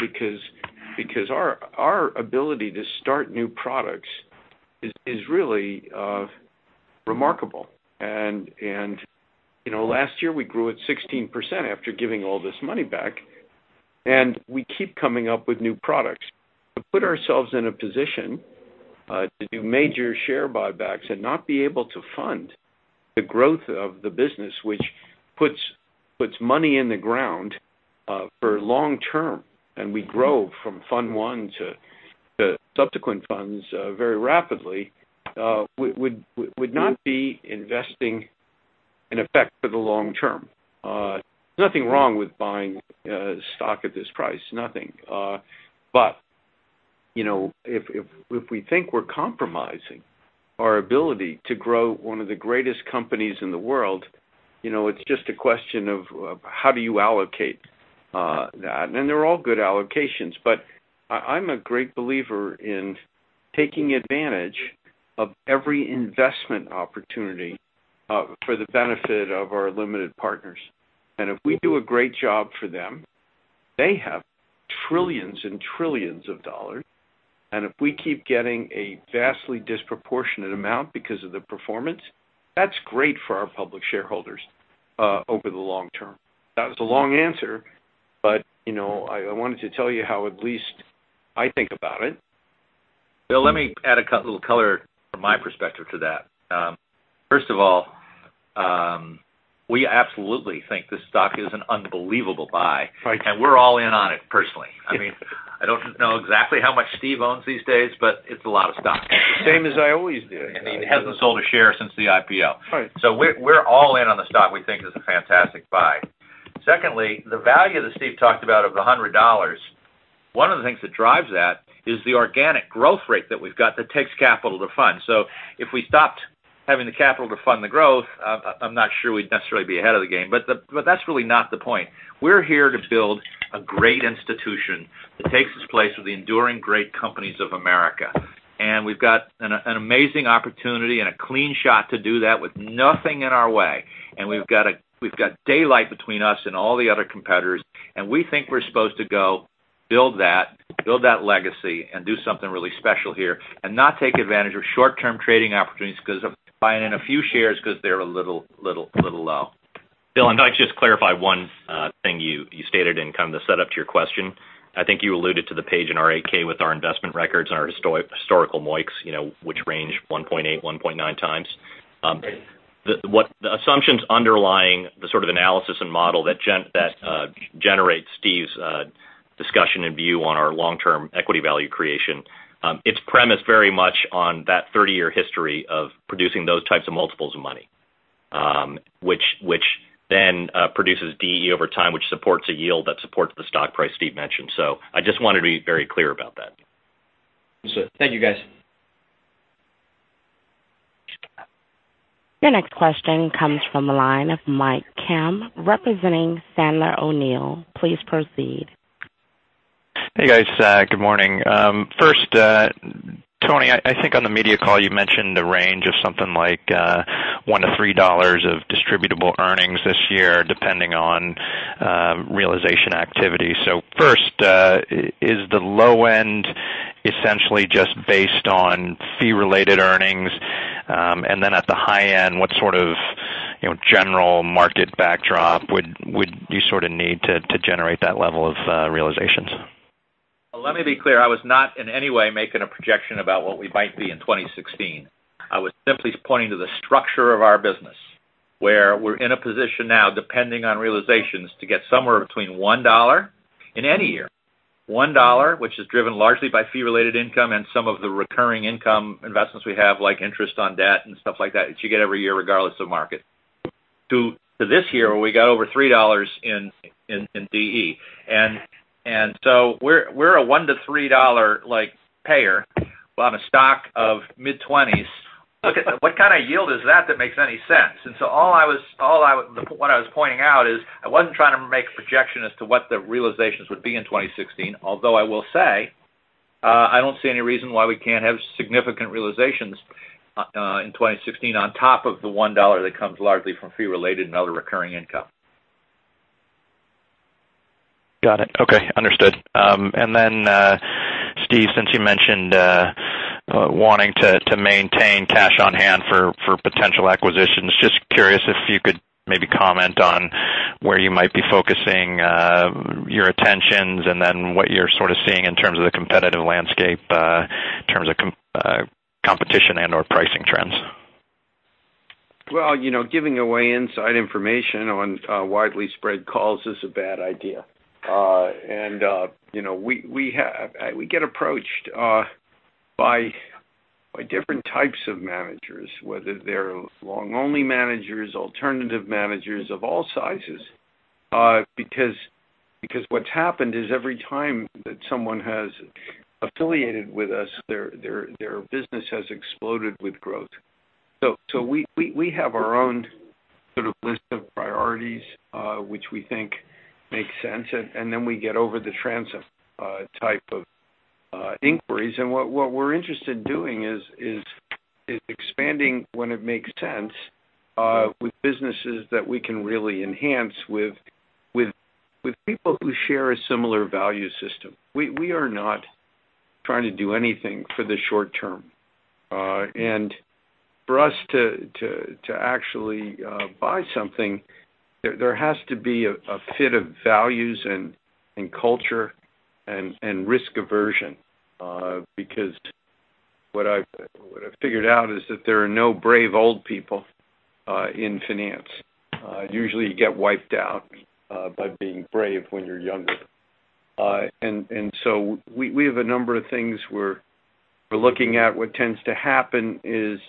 because our ability to start new products is really remarkable. Last year we grew at 16% after giving all this money back, and we keep coming up with new products. To put ourselves in a position to do major share buybacks and not be able to fund the growth of the business, which puts money in the ground for long term, and we grow from Fund One to subsequent funds very rapidly, would not be investing in effect for the long term. Nothing wrong with buying stock at this price, nothing. If we think we're compromising our ability to grow one of the greatest companies in the world, it's just a question of how do you allocate that? They're all good allocations, but I'm a great believer in taking advantage of every investment opportunity for the benefit of our limited partners. If we do a great job for them, they have trillions and trillions of dollars. If we keep getting a vastly disproportionate amount because of the performance, that's great for our public shareholders over the long term. That was a long answer, but I wanted to tell you how at least I think about it. Bill, let me add a little color from my perspective to that. First of all, we absolutely think this stock is an unbelievable buy. Right. We're all in on it personally. I don't know exactly how much Steve owns these days, but it's a lot of stock. Same as I always do. He hasn't sold a share since the IPO. Right. We're all in on the stock. We think it's a fantastic buy. Secondly, the value that Steve talked about of the $100, one of the things that drives that is the organic growth rate that we've got that takes capital to fund. If we stopped having the capital to fund the growth, I'm not sure we'd necessarily be ahead of the game. That's really not the point. We're here to build a great institution that takes its place with the enduring great companies of America. We've got an amazing opportunity and a clean shot to do that with nothing in our way. We've got daylight between us and all the other competitors, and we think we're supposed to go build that legacy, and do something really special here, and not take advantage of short-term trading opportunities, buying in a few shares because they're a little low. Bill, I'd like to just clarify one thing you stated in kind of the setup to your question. I think you alluded to the page in our 8-K with our investment records and our historical MOICs, which range 1.8, 1.9 times. The assumptions underlying the sort of analysis and model that generates Steve's discussion and view on our long-term equity value creation, it's premised very much on that 30-year history of producing those types of multiples of money. Which then produces DE over time, which supports a yield that supports the stock price Steve mentioned. I just wanted to be very clear about that. Understood. Thank you, guys. Your next question comes from the line of Mike Kemm, representing Sandler O'Neill. Please proceed. Hey, guys. Good morning. First, Tony, I think on the media call you mentioned a range of something like $1 to $3 of distributable earnings this year, depending on realization activity. First, is the low end essentially just based on fee-related earnings? At the high end, what sort of general market backdrop would you need to generate that level of realizations? Let me be clear. I was not in any way making a projection about what we might be in 2016. I was simply pointing to the structure of our business, where we're in a position now, depending on realizations, to get somewhere between $1, in any year, $1, which is driven largely by fee-related income and some of the recurring income investments we have, like interest on debt and stuff like that you get every year, regardless of market. To this year, where we got over $3 in DE. We're a $1 to $3 payer on a stock of mid-twenties. What kind of yield is that makes any sense? What I was pointing out is, I wasn't trying to make a projection as to what the realizations would be in 2016, although I will say, I don't see any reason why we can't have significant realizations in 2016 on top of the $1 that comes largely from fee-related and other recurring income. Got it. Okay. Understood. Steve, since you mentioned wanting to maintain cash on hand for potential acquisitions, just curious if you could maybe comment on where you might be focusing your attentions and then what you're sort of seeing in terms of the competitive landscape, in terms of competition and/or pricing trends. Well, giving away inside information on widely spread calls is a bad idea. We get approached by different types of managers, whether they're long-only managers, alternative managers of all sizes. What's happened is every time that someone has affiliated with us, their business has exploded with growth. We have our own sort of list of priorities, which we think makes sense, then we get over the transom type of inquiries. What we're interested in doing is expanding when it makes sense, with businesses that we can really enhance with people who share a similar value system. We are not trying to do anything for the short term. For us to actually buy something, there has to be a fit of values and culture and risk aversion. What I've figured out is that there are no brave old people in finance. Usually, you get wiped out by being brave when you're younger. We have a number of things we're looking at. What tends to happen is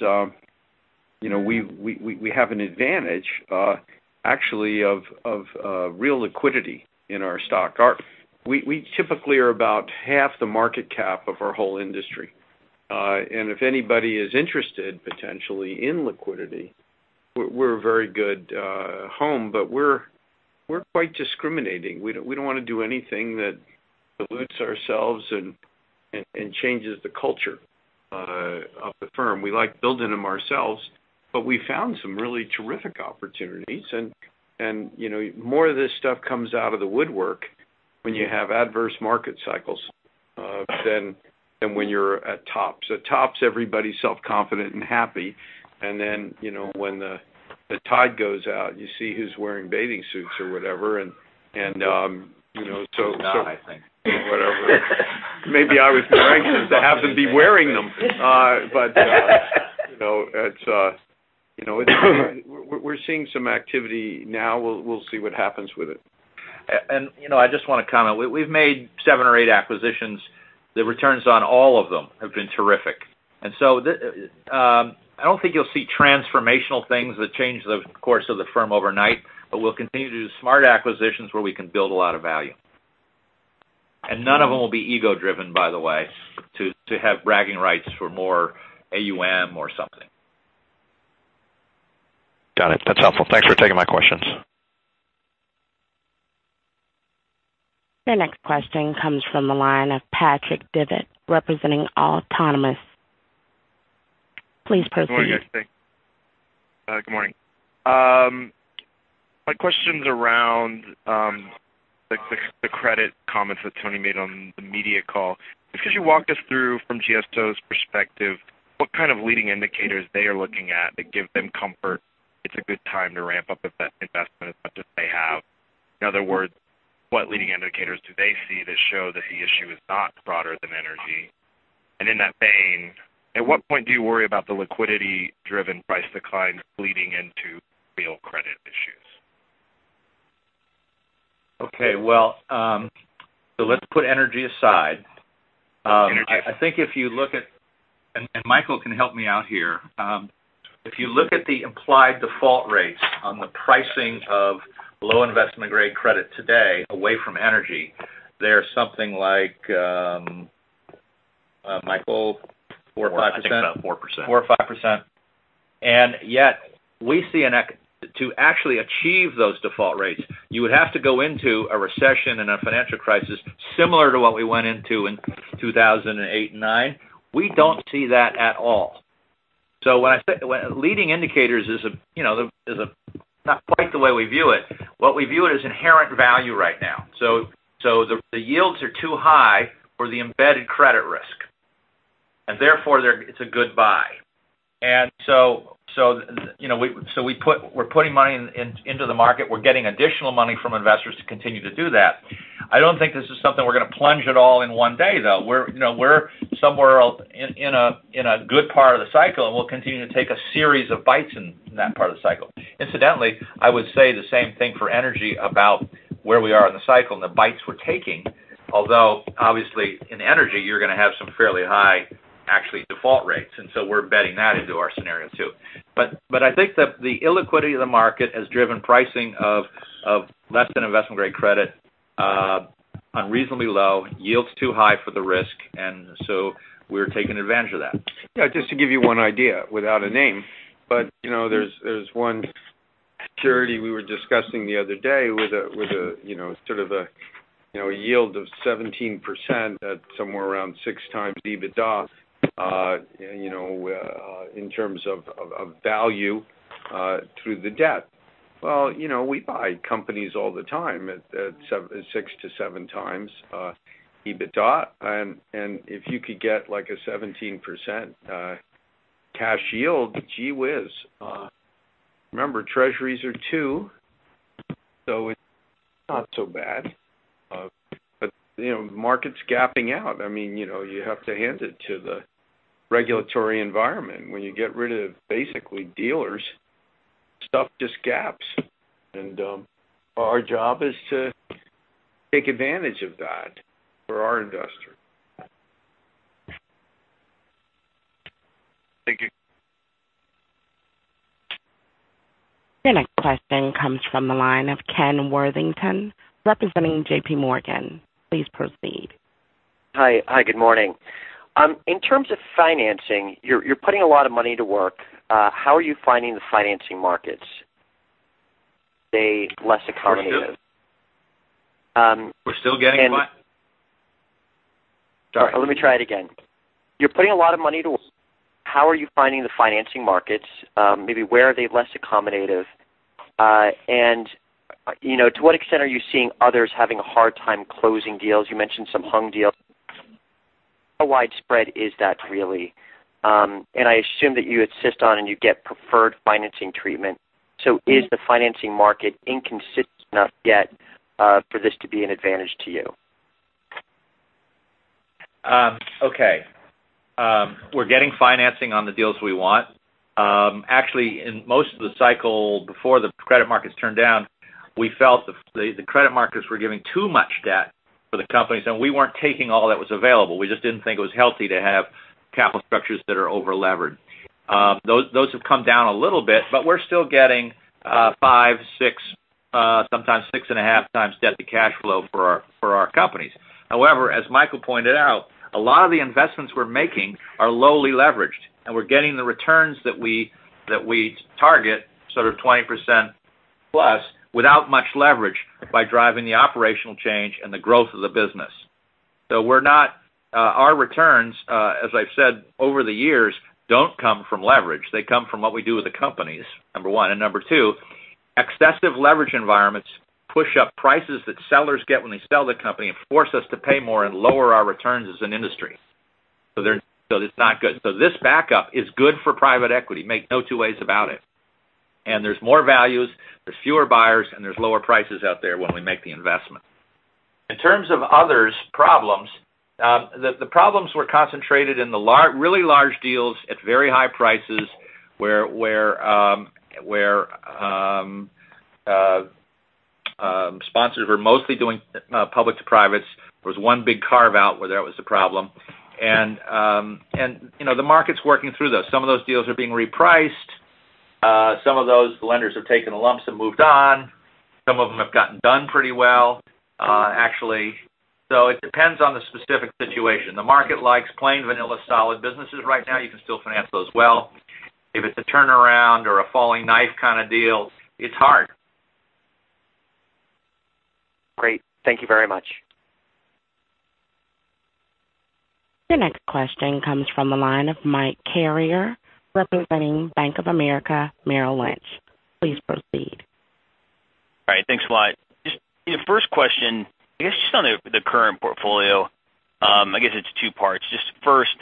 we have an advantage, actually, of real liquidity in our stock. We typically are about half the market cap of our whole industry. If anybody is interested, potentially, in liquidity, we're a very good home, but we're quite discriminating. We don't want to do anything that dilutes ourselves and changes the culture of the firm. We like building them ourselves, but we found some really terrific opportunities and more of this stuff comes out of the woodwork when you have adverse market cycles than when you're at tops. At tops, everybody's self-confident and happy, when the tide goes out, you see who's wearing bathing suits or whatever. It's not, I think. Whatever. Maybe I was more anxious to have them be wearing them. We're seeing some activity now. We'll see what happens with it. I just want to comment. We've made seven or eight acquisitions. The returns on all of them have been terrific. I don't think you'll see transformational things that change the course of the firm overnight, but we'll continue to do smart acquisitions where we can build a lot of value. None of them will be ego-driven, by the way, to have bragging rights for more AUM or something. Got it. That's helpful. Thanks for taking my questions. Your next question comes from the line of Patrick Davitt representing Autonomous. Please proceed. Good morning, guys. Thanks. Good morning. My question's around the credit comments that Tony made on the media call. Could you walk us through, from GSO's perspective, what kind of leading indicators they are looking at that give them comfort it's a good time to ramp up investment as much as they have? In other words, what leading indicators do they see that show that the issue is not broader than energy? In that vein, at what point do you worry about the liquidity-driven price declines bleeding into real credit issues? Okay. Well, let's put energy aside. Energy. I think if you look at Michael can help me out here. If you look at the implied default rates on the pricing of low investment-grade credit today, away from energy, they're something like, Michael, 4% or 5%? I think about 4%. 4% or 5%. Yet, we see to actually achieve those default rates, you would have to go into a recession and a financial crisis similar to what we went into in 2008 and 2009. We don't see that at all. Leading indicators is not quite the way we view it. What we view it is inherent value right now. The yields are too high for the embedded credit risk, and therefore it's a good buy. We're putting money into the market. We're getting additional money from investors to continue to do that. I don't think this is something we're going to plunge it all in one day, though. We're somewhere in a good part of the cycle, and we'll continue to take a series of bites in that part of the cycle. I would say the same thing for energy about where we are in the cycle and the bites we're taking. Obviously, in energy, you're going to have some fairly high, actually default rates, and so we're embedding that into our scenario too. I think that the illiquidity of the market has driven pricing of less than investment-grade credit unreasonably low, yields too high for the risk, and so we're taking advantage of that. Yeah, just to give you one idea without a name, there's one security we were discussing the other day with sort of a yield of 17% at somewhere around six times EBITDA in terms of value through the debt. Well, we buy companies all the time at six to seven times EBITDA. If you could get a 17% cash yield, gee whiz. Remember, treasuries are two, it's not so bad. The market's gapping out. You have to hand it to the regulatory environment. When you get rid of basically dealers, stuff just gaps. Our job is to take advantage of that for our investors. Thank you. Your next question comes from the line of Kenneth Worthington, representing JPMorgan. Please proceed. Hi. Good morning. In terms of financing, you're putting a lot of money to work. How are you finding the financing markets? Are they less accommodative? We're still getting by. Let me try it again. You're putting a lot of money to work. How are you finding the financing markets? Maybe where are they less accommodative? To what extent are you seeing others having a hard time closing deals? You mentioned some hung deals. How widespread is that, really? I assume that you assist on and you get preferred financing treatment. Is the financing market inconsistent enough yet for this to be an advantage to you? Okay. We're getting financing on the deals we want. Actually, in most of the cycle before the credit markets turned down, we felt the credit markets were giving too much debt for the companies, and we weren't taking all that was available. We just didn't think it was healthy to have capital structures that are over-levered. Those have come down a little bit, but we're still getting five, six, sometimes six and a half times debt to cash flow for our companies. However, as Michael pointed out, a lot of the investments we're making are lowly leveraged, and we're getting the returns that we target, sort of 20% plus without much leverage by driving the operational change and the growth of the business. Our returns, as I've said over the years, don't come from leverage. They come from what we do with the companies, number one. Number two, excessive leverage environments push up prices that sellers get when they sell the company and force us to pay more and lower our returns as an industry. It's not good. This backup is good for private equity. Make no two ways about it. There's more values, there's fewer buyers, and there's lower prices out there when we make the investment. In terms of others' problems, the problems were concentrated in the really large deals at very high prices, where sponsors were mostly doing public to privates. There was one big carve-out where that was the problem. The market's working through those. Some of those deals are being repriced. Some of those lenders have taken the lumps and moved on. Some of them have gotten done pretty well, actually. It depends on the specific situation. The market likes plain vanilla, solid businesses right now. You can still finance those well. If it's a turnaround or a falling knife kind of deal, it's hard. Great. Thank you very much. Your next question comes from the line of Michael Carrier, representing Bank of America Merrill Lynch. Please proceed. All right. Thanks a lot. Just the first question, I guess just on the current portfolio, I guess it's two parts. Just first,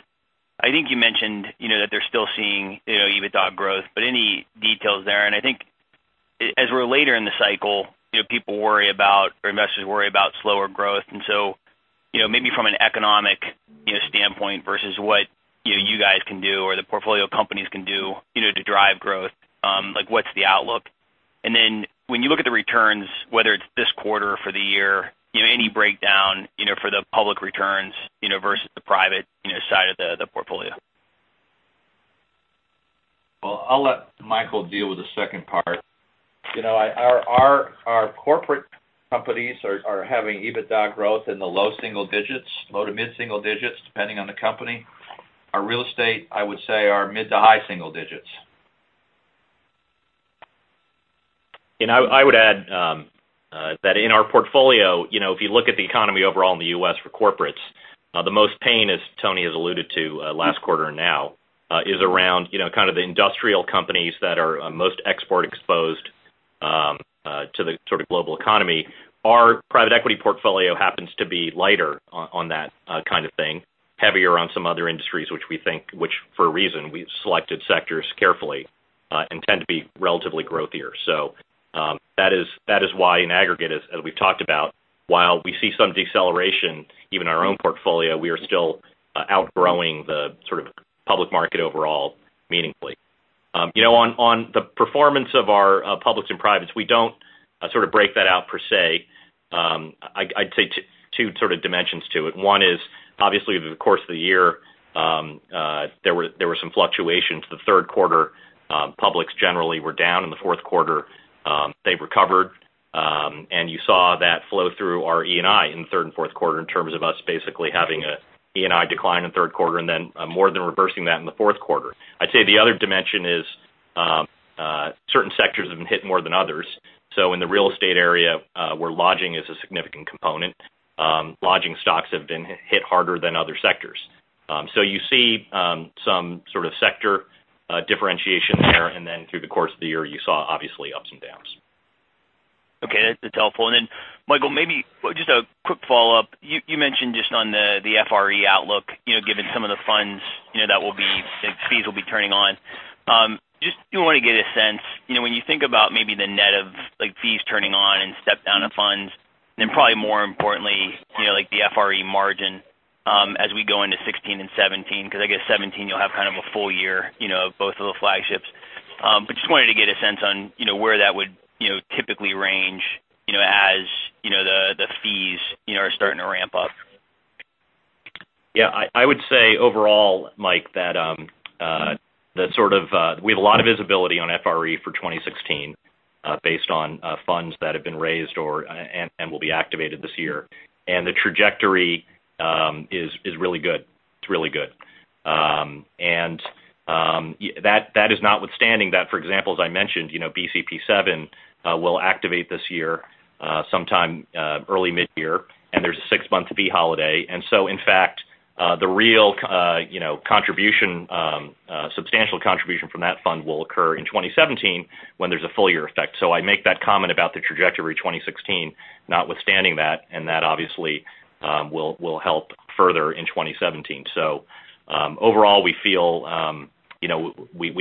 I think you mentioned that they're still seeing EBITDA growth, but any details there? I think as we're later in the cycle, people worry about, or investors worry about slower growth. Maybe from an economic standpoint versus what you guys can do or the portfolio companies can do to drive growth, what's the outlook? When you look at the returns, whether it's this quarter or for the year, any breakdown for the public returns versus the private side of the portfolio? Well, I'll let Michael deal with the second part. Our corporate companies are having EBITDA growth in the low single digits, low to mid single digits, depending on the company. Our real estate, I would say, are mid to high single digits. I would add that in our portfolio, if you look at the economy overall in the U.S. for corporates, the most pain as Tony has alluded to last quarter now is around kind of the industrial companies that are most export exposed to the sort of global economy. Our private equity portfolio happens to be lighter on that kind of thing, heavier on some other industries, which for a reason, we've selected sectors carefully and tend to be relatively growthier. That is why in aggregate, as we've talked about, while we see some deceleration, even our own portfolio, we are still outgrowing the sort of public market overall meaningfully. On the performance of our publics and privates, we don't sort of break that out per se. I'd say two sort of dimensions to it. One is, obviously, over the course of the year, there were some fluctuations. The third quarter publics generally were down. In the fourth quarter, they recovered. You saw that flow through our ENI in the third and fourth quarter in terms of us basically having an ENI decline in the third quarter and then more than reversing that in the fourth quarter. I'd say the other dimension is certain sectors have been hit more than others. In the real estate area, where lodging is a significant component, lodging stocks have been hit harder than other sectors. You see some sort of sector differentiation there, and then through the course of the year, you saw obviously ups and downs. Okay. That's helpful. Michael, maybe just a quick follow-up. You mentioned just on the FRE outlook given some of the funds that fees will be turning on. Just want to get a sense, when you think about maybe the net of fees turning on and step down of funds, then probably more importantly like the FRE margin as we go into 2016 and 2017, because I guess 2017 you'll have kind of a full year of both of the flagships. Just wanted to get a sense on where that would typically range as the fees are starting to ramp up. Yeah. I would say overall, Mike, that sort of we have a lot of visibility on FRE for 2016 based on funds that have been raised and will be activated this year. The trajectory is really good. That is notwithstanding that, for example, as I mentioned, BCP VII will activate this year sometime early mid-year, and there's a six-month fee holiday. In fact, the real substantial contribution from that fund will occur in 2017 when there's a full year effect. I make that comment about the trajectory of 2016 notwithstanding that, and that obviously will help further in 2017. Overall we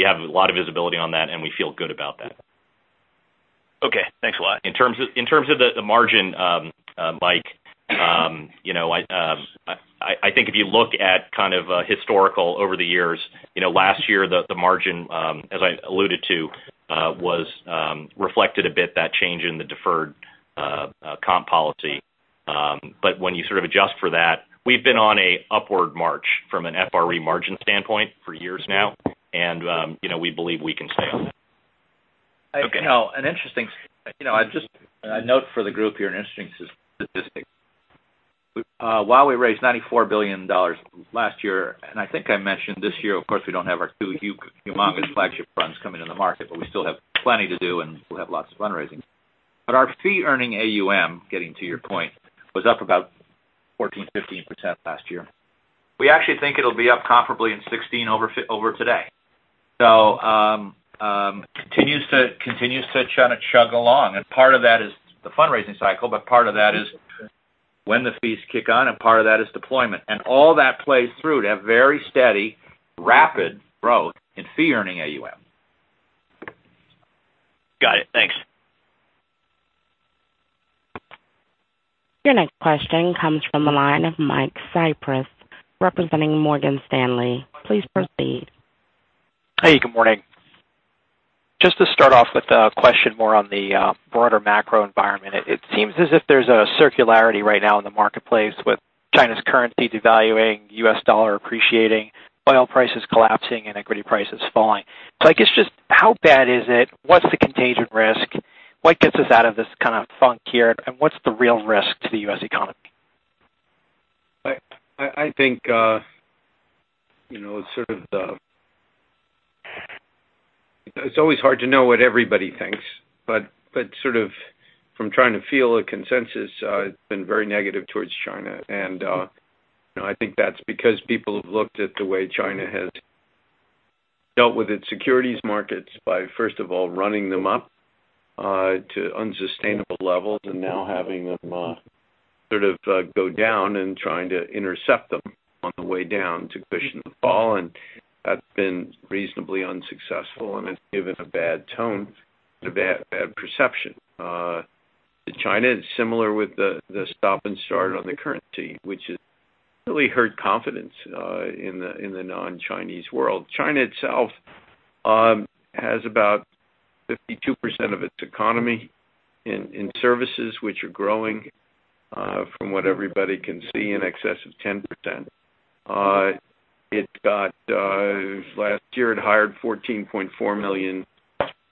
have a lot of visibility on that, and we feel good about that. Okay. Thanks a lot. In terms of the margin, Mike, I think if you look at kind of a historical over the years, last year the margin, as I alluded to, reflected a bit that change in the deferred comp policy. When you sort of adjust for that, we've been on a upward march from an FRE margin standpoint for years now, and we believe we can stay on that. Just a note for the group here, an interesting statistic. While we raised $94 billion last year, and I think I mentioned this year, of course, we don't have our two humongous flagship funds coming in the market, but we still have plenty to do, and we'll have lots of fundraising. Our fee-earning AUM, getting to your point, was up about 14, 15% last year. We actually think it'll be up comparably in 2016 over today. Continues to kind of chug along. Part of that is the fundraising cycle, but part of that is when the fees kick on, and part of that is deployment. All that plays through to have very steady, rapid growth in fee-earning AUM. Got it. Thanks. Your next question comes from the line of Michael Cyprys representing Morgan Stanley. Please proceed. Hey, good morning. Just to start off with a question more on the broader macro environment. It seems as if there's a circularity right now in the marketplace with China's currency devaluing, U.S. dollar appreciating, oil prices collapsing, and equity prices falling. I guess just how bad is it? What's the contagion risk? What gets us out of this kind of funk here? What's the real risk to the U.S. economy? I think it's always hard to know what everybody thinks. Sort of from trying to feel a consensus, it's been very negative towards China. I think that's because people have looked at the way China has dealt with its securities markets by first of all running them up to unsustainable levels and now having them sort of go down and trying to intercept them on the way down to cushion the fall. That's been reasonably unsuccessful, and it's given a bad tone. of a bad perception. China is similar with the stop and start on the currency, which has really hurt confidence in the non-Chinese world. China itself has about 52% of its economy in services which are growing, from what everybody can see, in excess of 10%. Last year it hired 14.4 million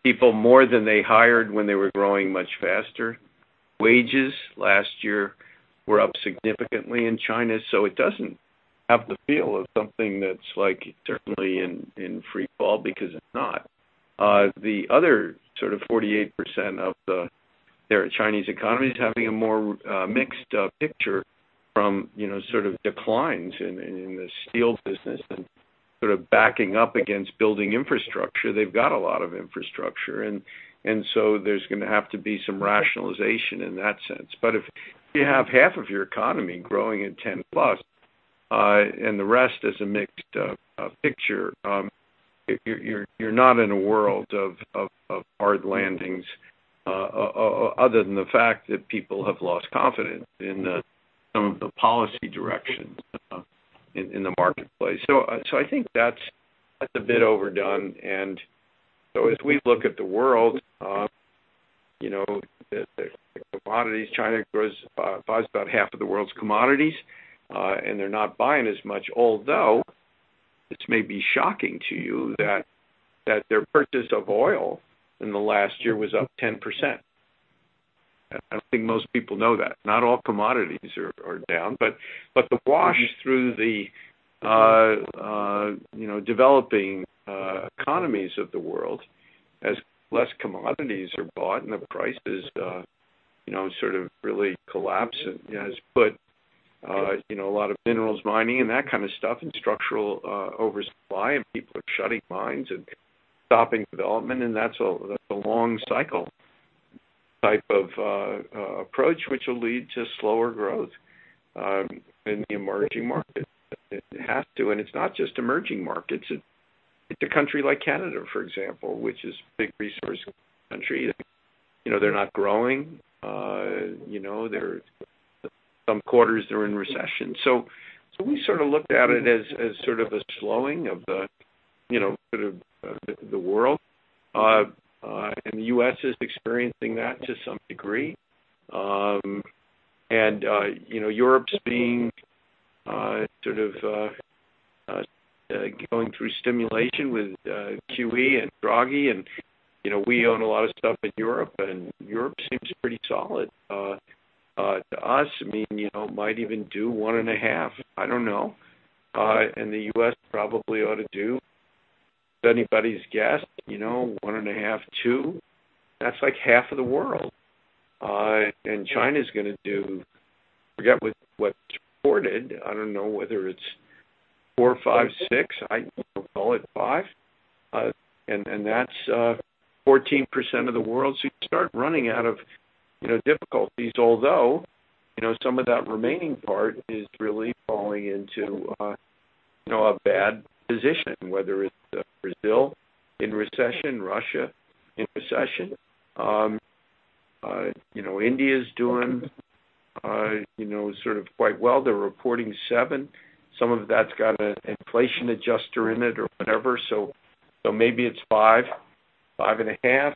people, more than they hired when they were growing much faster. Wages last year were up significantly in China, so it doesn't have the feel of something that's certainly in free fall, because it's not. The other 48% of their Chinese economy is having a more mixed-up picture from sort of declines in the steel business and sort of backing up against building infrastructure. There's going to have to be some rationalization in that sense. If you have half of your economy growing at 10-plus, and the rest is a mixed picture, you're not in a world of hard landings, other than the fact that people have lost confidence in some of the policy directions in the marketplace. I think that's a bit overdone. As we look at the world, the commodities, China buys about half of the world's commodities, and they're not buying as much. Although, this may be shocking to you, that their purchase of oil in the last year was up 10%. I don't think most people know that. The wash through the developing economies of the world, as less commodities are bought and the prices sort of really collapse, has put a lot of minerals mining and that kind of stuff in structural oversupply. People are shutting mines and stopping development. That's a long cycle type of approach, which will lead to slower growth in the emerging market. It has to, it's not just emerging markets. It's a country like Canada, for example, which is a big resource country. They're not growing. Some quarters they're in recession. We sort of looked at it as sort of a slowing of the world. The U.S. is experiencing that to some degree. Europe's going through stimulation with QE and Draghi. We own a lot of stuff in Europe, and Europe seems pretty solid to us. Might even do 1.5%. I don't know. The U.S. probably ought to do, if anybody's guessed, 1.5%, 2%. That's like half of the world. China's going to do, I forget what's reported. I don't know whether it's four, five, six. Call it five. That's 14% of the world. You start running out of difficulties. Although, some of that remaining part is really falling into a bad position, whether it's Brazil in recession, Russia in recession. India's doing sort of quite well. They're reporting seven. Some of that's got an inflation adjuster in it or whatever, so maybe it's five and a half.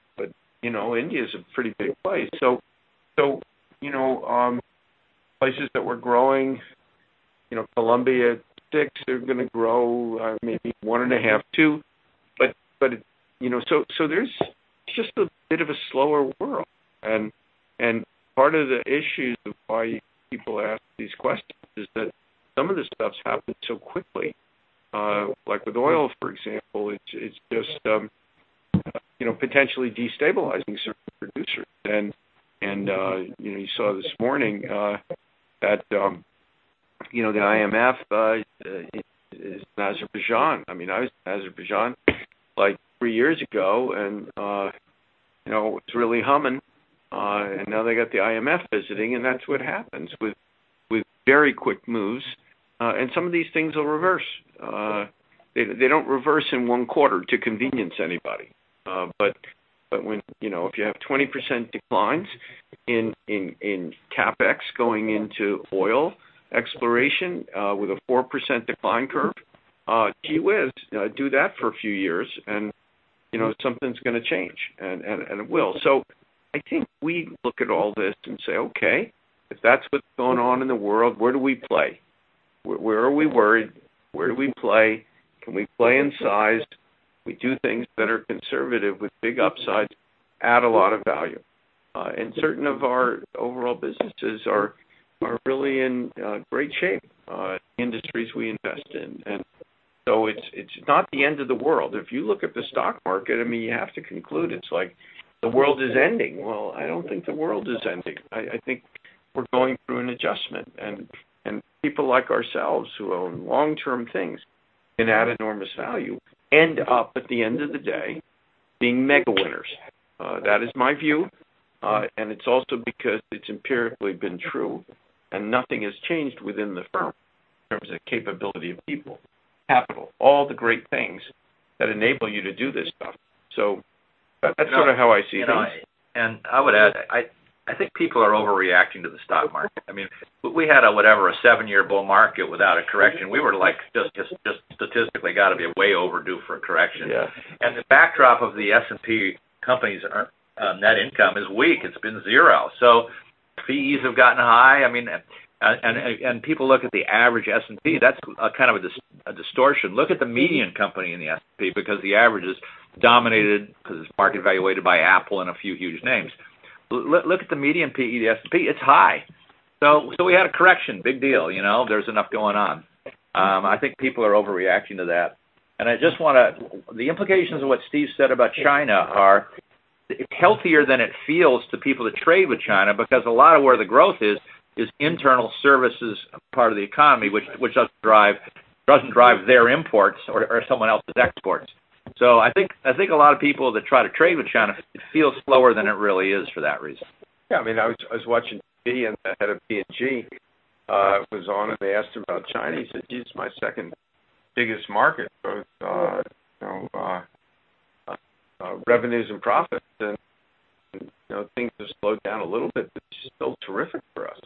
India's a pretty big place. Places that were growing, Colombia, six, they're going to grow maybe one and a half, two. There's just a bit of a slower world. Part of the issue of why people ask these questions is that some of the stuff's happened so quickly. Like with oil, for example, it's just potentially destabilizing certain producers. You saw this morning that the IMF is in Azerbaijan. I was in Azerbaijan like three years ago, it's really humming. Now they got the IMF visiting, that's what happens with very quick moves. Some of these things will reverse. They don't reverse in one quarter to convenience anybody. If you have 20% declines in CapEx going into oil exploration with a 4% decline curve, gee whiz, do that for a few years, something's going to change, and it will. I think we look at all this and say, "Okay, if that's what's going on in the world, where do we play? Where are we worried? Where do we play? Can we play in size?" We do things that are conservative with big upsides, add a lot of value. Certain of our overall businesses are really in great shape, the industries we invest in. It's not the end of the world. If you look at the stock market, you have to conclude it's like the world is ending. Well, I don't think the world is ending. I think we're going through an adjustment. People like ourselves, who own long-term things and add enormous value, end up at the end of the day being mega winners. That is my view. It's also because it's empirically been true, nothing has changed within the firm in terms of capability of people, capital, all the great things that enable you to do this stuff. That's sort of how I see things. I would add, I think people are overreacting to the stock market. We had a, whatever, a seven-year bull market without a correction. We were just statistically got to be way overdue for a correction. Yes. The backdrop of the S&P companies' net income is weak. It's been zero. P/Es have gotten high. People look at the average S&P, that's kind of a distortion. Look at the median company in the S&P, because the average is dominated because it's market-valuated by Apple and a few huge names. Look at the median P/E of the S&P, it's high. We had a correction, big deal. There's enough going on. I think people are overreacting to that. The implications of what Steve said about China are, it's healthier than it feels to people that trade with China, because a lot of where the growth is internal services part of the economy, which doesn't drive their imports or someone else's exports. I think a lot of people that try to trade with China, it feels slower than it really is for that reason. Yeah. I was watching TV, the head of P&G was on, they asked him about China. He said, "Gee, it's my second-biggest market, both revenues and profits. Things have slowed down a little bit, but it's still terrific for us."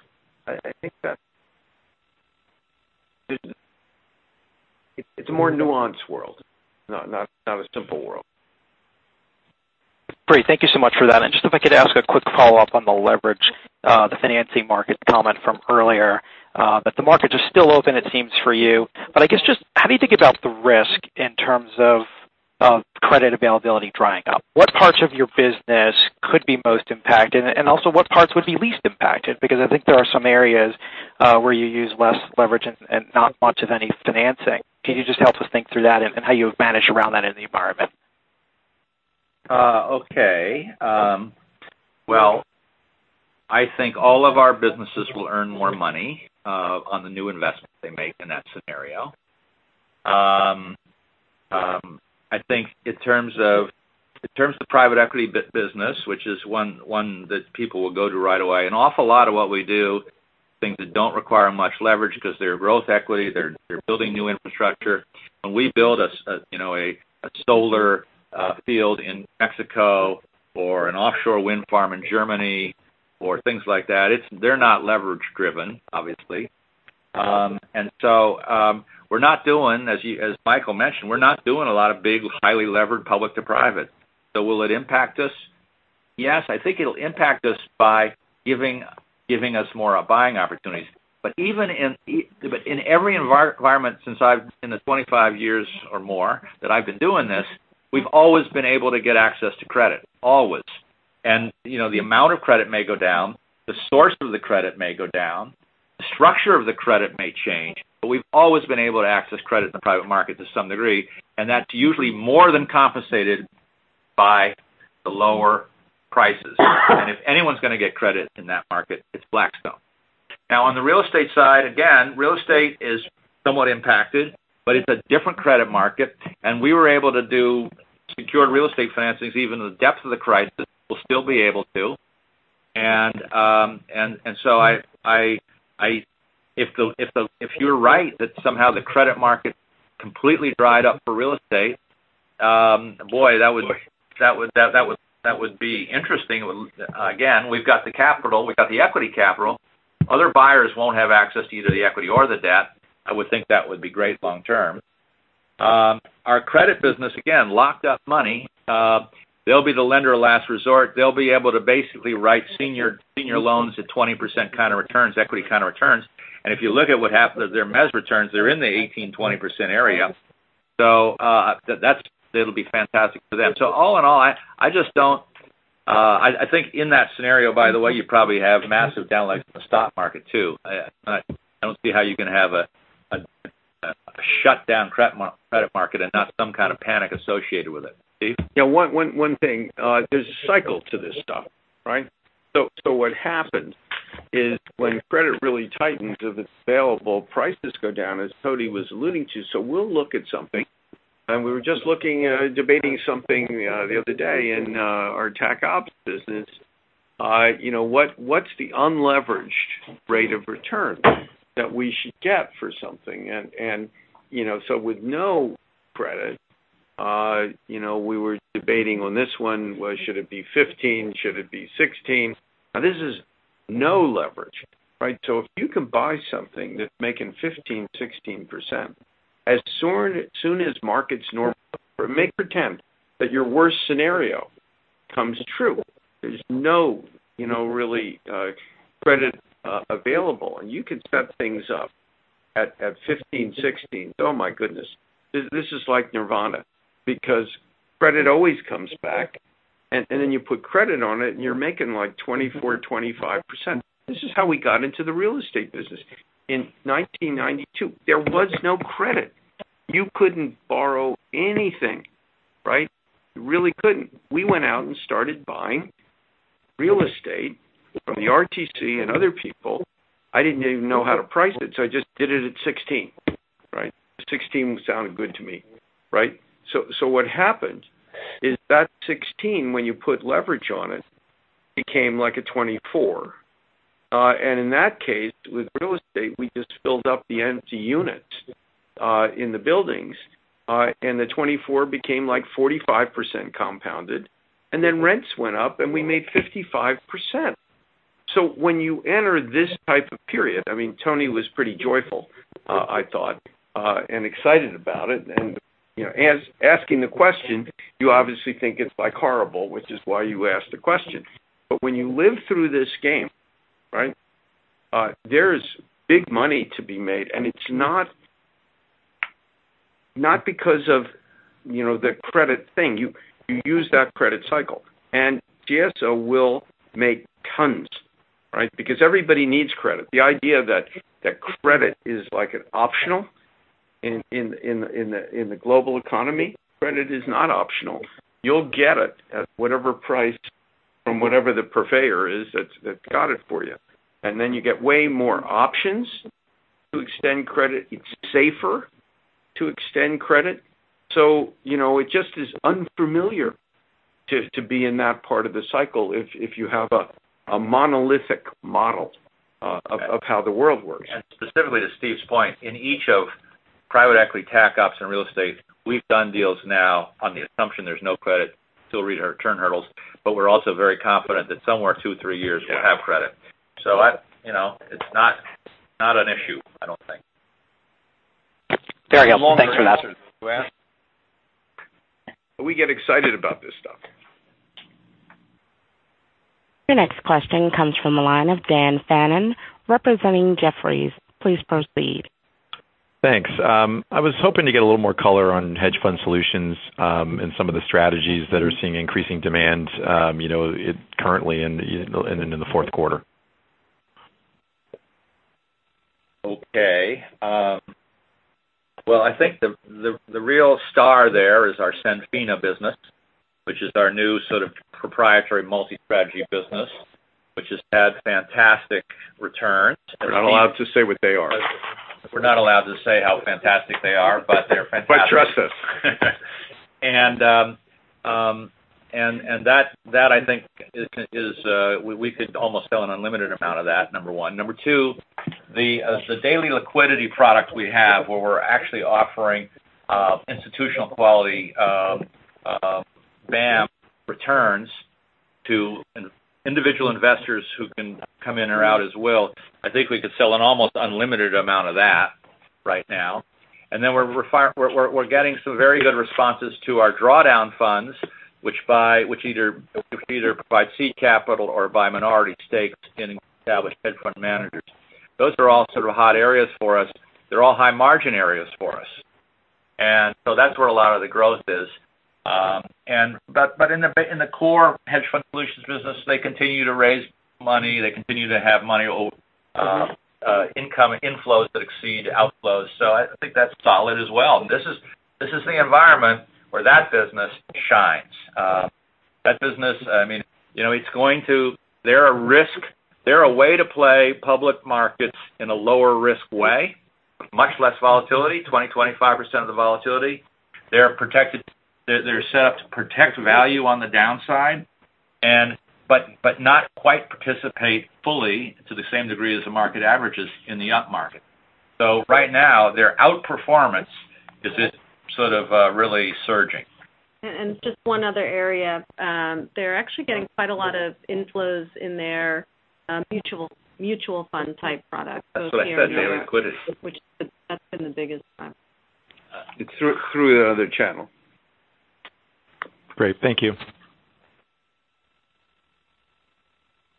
I think that it's a more nuanced world, not a simple world. Great. Thank you so much for that. Just if I could ask a quick follow-up on the leverage, the financing market comment from earlier. That the markets are still open, it seems, for you. I guess, just how do you think about the risk in terms of credit availability drying up? What parts of your business could be most impacted? Also, what parts would be least impacted? Because I think there are some areas where you use less leverage and not much of any financing. Can you just help us think through that and how you manage around that in the environment? Okay. Well, I think all of our businesses will earn more money on the new investments they make in that scenario. I think in terms of private equity business, which is one that people will go to right away, an awful lot of what we do, things that don't require much leverage because they're growth equity, they're building new infrastructure. When we build a solar field in Mexico or an offshore wind farm in Germany or things like that, they're not leverage-driven, obviously. So, as Michael mentioned, we're not doing a lot of big, highly levered public to private. Will it impact us? Yes, I think it'll impact us by giving us more buying opportunities. In every environment, in the 25 years or more that I've been doing this, we've always been able to get access to credit. Always. The amount of credit may go down, the source of the credit may go down, the structure of the credit may change. We've always been able to access credit in the private market to some degree, and that's usually more than compensated by the lower prices. If anyone's going to get credit in that market, it's Blackstone. On the real estate side, again, real estate is somewhat impacted, but it's a different credit market. We were able to do secured real estate financings even in the depth of the crisis. We'll still be able to. If you're right that somehow the credit market completely dried up for real estate, boy, that would be interesting. Again, we've got the capital, we've got the equity capital. Other buyers won't have access to either the equity or the debt. I would think that would be great long term. Our credit business, again, locked up money. They'll be the lender of last resort. They'll be able to basically write senior loans at 20% kind of returns, equity kind of returns. If you look at what happened to their MEZ returns, they're in the 18%-20% area. That'll be fantastic for them. All in all, I think in that scenario, by the way, you probably have massive down legs in the stock market, too. I don't see how you can have a shut down credit market and not some kind of panic associated with it. Steve? One thing. There's a cycle to this stuff, right? What happens is when credit really tightens, if it's available, prices go down, as Tony James was alluding to. We'll look at something. We were just looking at debating something the other day in our Tac Ops business. What's the unleveraged rate of return that we should get for something? With no credit, we were debating on this one, well, should it be 15? Should it be 16? This is no leverage, right? If you can buy something that's making 15%-16%, as soon as markets normalize, make pretend that your worst scenario comes true. There's no really credit available. You can set things up at 15, 16. Oh my goodness, this is like nirvana because credit always comes back. You put credit on it and you're making, like, 24%-25%. This is how we got into the real estate business. In 1992, there was no credit. You couldn't borrow anything, right? You really couldn't. We went out and started buying real estate from the RTC and other people. I didn't even know how to price it. I just did it at 16. Right? 16 sounded good to me. Right? What happened is that 16, when you put leverage on it, became like a 24. In that case, with real estate, we just filled up the empty units in the buildings, and the 24 became like 45% compounded, and then rents went up and we made 55%. When you enter this type of period, Tony James was pretty joyful, I thought, and excited about it. Asking the question, you obviously think it's horrible, which is why you asked the question. When you live through this game. It's big money to be made, it's not because of the credit thing. You use that credit cycle. GSO will make tons because everybody needs credit. The idea that credit is optional in the global economy, credit is not optional. You'll get it at whatever price from whatever the purveyor is that's got it for you. Then you get way more options to extend credit. It's safer to extend credit. It just is unfamiliar to be in that part of the cycle if you have a monolithic model of how the world works. Specifically to Steve's point, in each of private equity, Tac Ops, and real estate, we've done deals now on the assumption there's no credit, still return hurdles, we're also very confident that somewhere two, three years we'll have credit. It's not an issue, I don't think. There you go. Thanks for that. We get excited about this stuff. Your next question comes from the line of Daniel Fannon representing Jefferies. Please proceed. Thanks. I was hoping to get a little more color on hedge fund solutions and some of the strategies that are seeing increasing demand currently and into the fourth quarter. Okay. Well, I think the real star there is our Senfina business, which is our new sort of proprietary multi-strategy business, which has had fantastic returns. We're not allowed to say what they are. We're not allowed to say how fantastic they are, they're fantastic. Trust us. That I think is, we could almost sell an unlimited amount of that, number one. Number two, the daily liquidity product we have where we're actually offering institutional quality BAAM returns to individual investors who can come in or out as well. I think we could sell an almost unlimited amount of that right now. Then we're getting some very good responses to our drawdown funds, which either provide seed capital or buy minority stakes in established hedge fund managers. Those are all sort of hot areas for us. They're all high margin areas for us. That's where a lot of the growth is. In the core hedge fund solutions business, they continue to raise money. They continue to have money over income inflows that exceed outflows. I think that's solid as well. This is the environment where that business shines. That business, they're a way to play public markets in a lower risk way, much less volatility, 20%-25% of the volatility. They're set up to protect value on the downside, but not quite participate fully to the same degree as the market averages in the up market. Right now, their outperformance is just sort of really surging. Just one other area. They're actually getting quite a lot of inflows in their mutual fund type product. That's what I said, daily liquidity. Which that's been the biggest one. Through the other channel. Great. Thank you.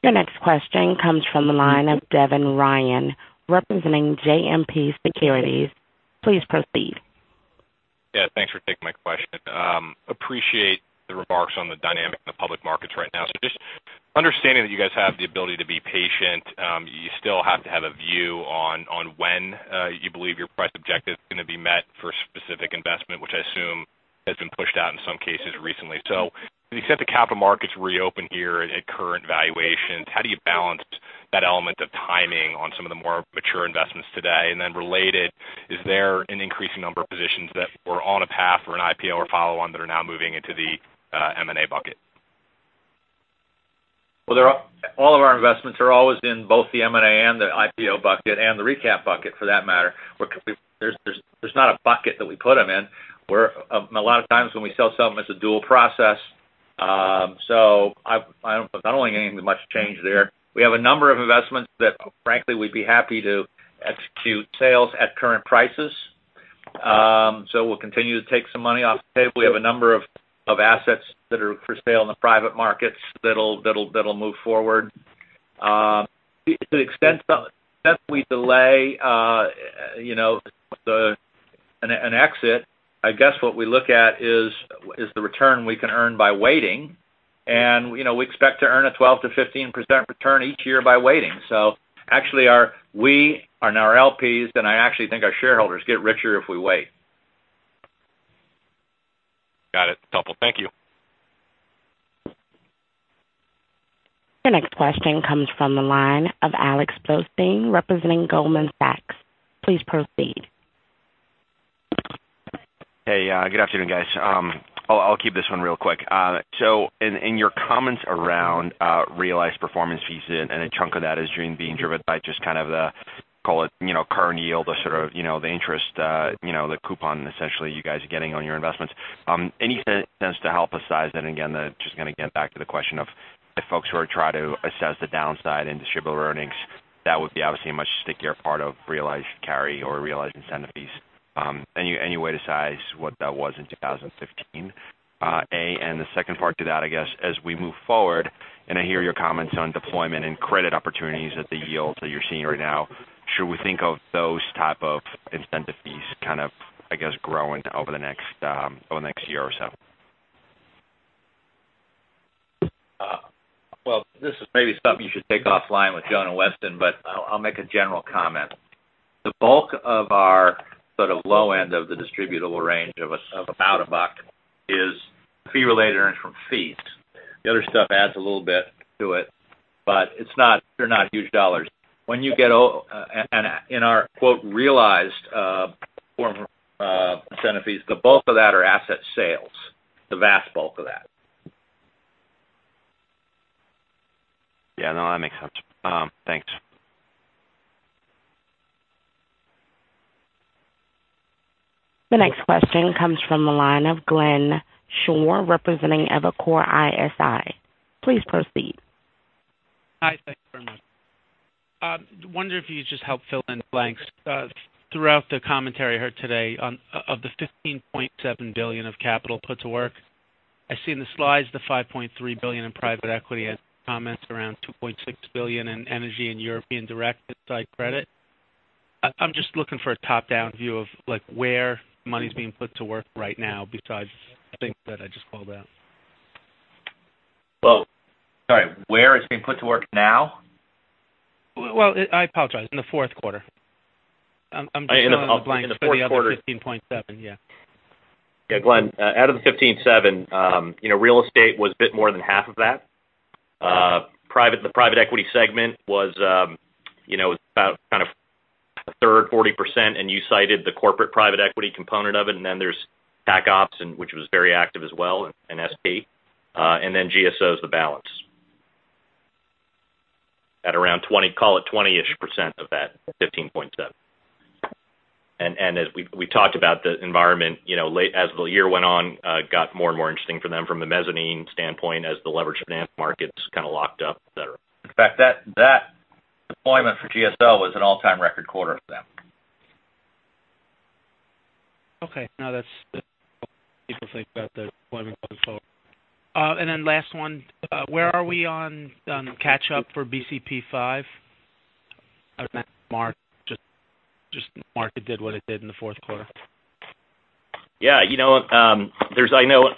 Your next question comes from the line of Devin Ryan, representing JMP Securities. Please proceed. Yeah, thanks for taking my question. Appreciate the remarks on the dynamic in the public markets right now. Just understanding that you guys have the ability to be patient, you still have to have a view on when you believe your price objective is going to be met for a specific investment, which I assume has been pushed out in some cases recently. As you said, the capital markets reopen here at current valuations. How do you balance that element of timing on some of the more mature investments today? And then related, is there an increasing number of positions that were on a path for an IPO or follow-on that are now moving into the M&A bucket? Well, all of our investments are always in both the M&A and the IPO bucket and the recap bucket for that matter. There's not a bucket that we put them in. A lot of times when we sell something, it's a dual process. I'm not only getting much change there. We have a number of investments that, frankly, we'd be happy to execute sales at current prices. We'll continue to take some money off the table. We have a number of assets that are for sale in the private markets that'll move forward. To the extent that we delay an exit, I guess what we look at is the return we can earn by waiting. We expect to earn a 12%-15% return each year by waiting. Actually, we and our LPs, and I actually think our shareholders get richer if we wait. Got it. Helpful. Thank you. Your next question comes from the line of Alex Blostein, representing Goldman Sachs. Please proceed. Hey, good afternoon, guys. I'll keep this one real quick. In your comments around realized performance fees, a chunk of that is being driven by just the, call it current yield or sort of the interest, the coupon essentially you guys are getting on your investments. Any sense to help us size that? Again, just going to get back to the question of if folks were to try to assess the downside in distributable earnings, that would be obviously a much stickier part of realized carry or realized incentive fees. Any way to size what that was in 2015? The second part to that, I guess, as we move forward, I hear your comments on deployment and credit opportunities at the yields that you're seeing right now, should we think of those type of incentive fees kind of, I guess, growing over the next year or so? This is maybe something you should take offline with Joan and Weston, but I'll make a general comment. The bulk of our sort of low end of the distributable range of about $1 is fee-related earnings from fees. The other stuff adds a little bit to it, but they're not huge dollars. In our, quote, "realized" form of incentive fees, the bulk of that are asset sales. The vast bulk of that. That makes sense. Thanks. The next question comes from the line of Glenn Schorr, representing Evercore ISI. Please proceed. Hi, thanks very much. Wonder if you could just help fill in the blanks. Throughout the commentary I heard today, of the $15.7 billion of capital put to work, I see in the slides the $5.3 billion in private equity and comments around $2.6 billion in energy and European direct and high yield credit. I'm just looking for a top-down view of where money's being put to work right now besides the things that I just called out. Well, sorry, where it's being put to work now? Well, I apologize. In the fourth quarter. I'm just filling in the blanks. In the fourth quarter. For the other $15.7, yeah. Glenn, out of the $15.7, real estate was a bit more than half of that. The private equity segment was about kind of a third, 40%, and you cited the corporate private equity component of it, then there's Tac Ops, which was very active as well, and SP. Then GSO is the balance. At around 20%, call it 20-ish percent of that $15.7. As we talked about, the environment, late as the year went on, got more and more interesting for them from the mezzanine standpoint as the leverage finance markets kind of locked up, et cetera. In fact, that deployment for GSO was an all-time record quarter for them. People think about the deployment going forward. Last one, where are we on catch-up for BCP V? Other than that mark, just the market did what it did in the fourth quarter. I know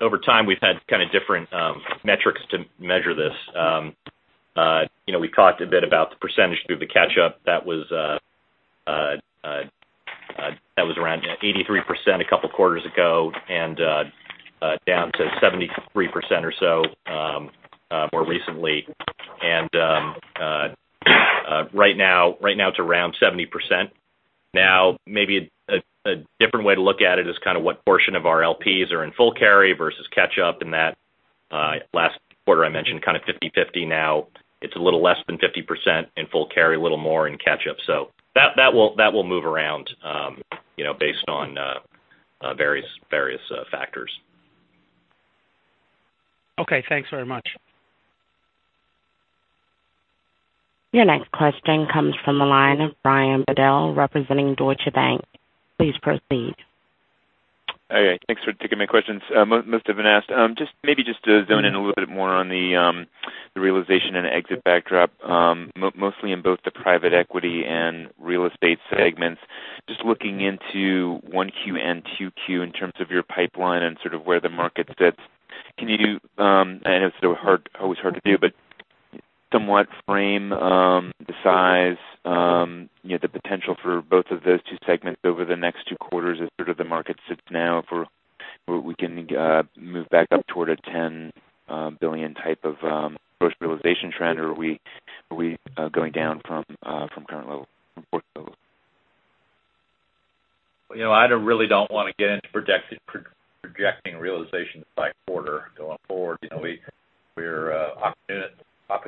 over time we've had kind of different metrics to measure this. We talked a bit about the percentage due of the catch up. That was around 83% a couple of quarters ago and down to 73% or so more recently. Right now it's around 70%. Maybe a different way to look at it is kind of what portion of our LPs are in full carry versus catch-up, and that last quarter I mentioned kind of 50/50. Now it's a little less than 50% in full carry, a little more in catch-up. That will move around based on various factors. Okay, thanks very much. Your next question comes from the line of Brian Bedell representing Deutsche Bank. Please proceed. All right. Thanks for taking my questions. Most have been asked. Just maybe just to zone in a little bit more on the realization and exit backdrop. Mostly in both the private equity and real estate segments. Just looking into 1Q and 2Q in terms of your pipeline and sort of where the market sits. Can you do, and I know it's always hard to do, but somewhat frame the size, the potential for both of those two segments over the next two quarters as sort of the market sits now for where we can move back up toward a $10 billion type of gross realization trend, or are we going down from current levels? I really don't want to get into projecting realizations by quarter going forward. We're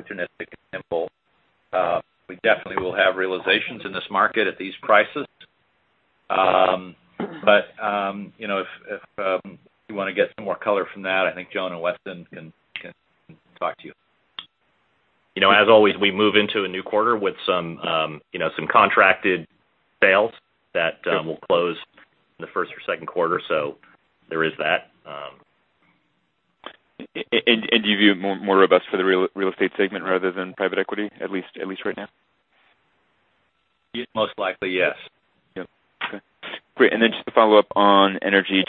opportunistic and nimble. We definitely will have realizations in this market at these prices. If you want to get some more color from that, I think Joan and Weston can talk to you. As always, we move into a new quarter with some contracted sales that will close in the first or second quarter, there is that. Do you view it more robust for the real estate segment rather than private equity, at least right now? Most likely, yes. Yep. Okay, great. Just to follow up on energy,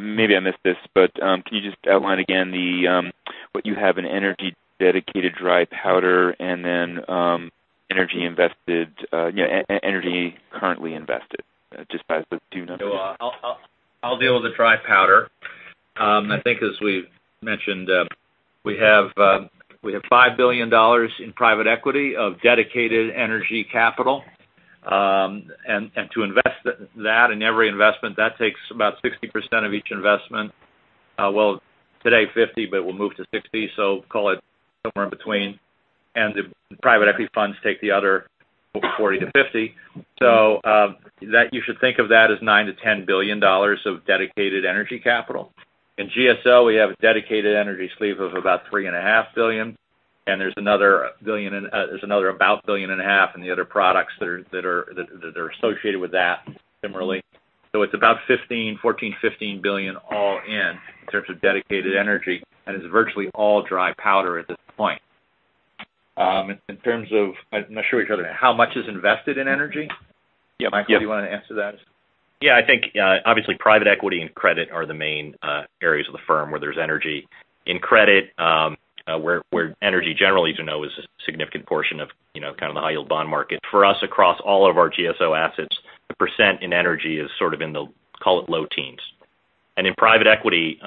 maybe I missed this, but can you just outline again what you have in energy dedicated dry powder and then energy currently invested, just by the two numbers? I'll deal with the dry powder. To invest that in every investment, that takes about 60% of each investment. Well, today 50%, but we'll move to 60%, so call it somewhere in between. The private equity funds take the other 40%-50%. You should think of that as $9 billion-$10 billion of dedicated energy capital. In GSO, we have a dedicated energy sleeve of about $3.5 billion, and there's another about a billion and a half in the other products that are associated with that similarly. It's about $14 billion-$15 billion all in terms of dedicated energy, and is virtually all dry powder at this point. I'm not sure we covered it. How much is invested in energy? Yeah. Michael, do you want to answer that? Yeah, I think, obviously, private equity and credit are the main areas of the firm where there's energy. In credit, where energy generally is known as a significant portion of the high yield bond market. For us, across all of our GSO assets, the percent in energy is sort of in the, call it low teens. In private equity,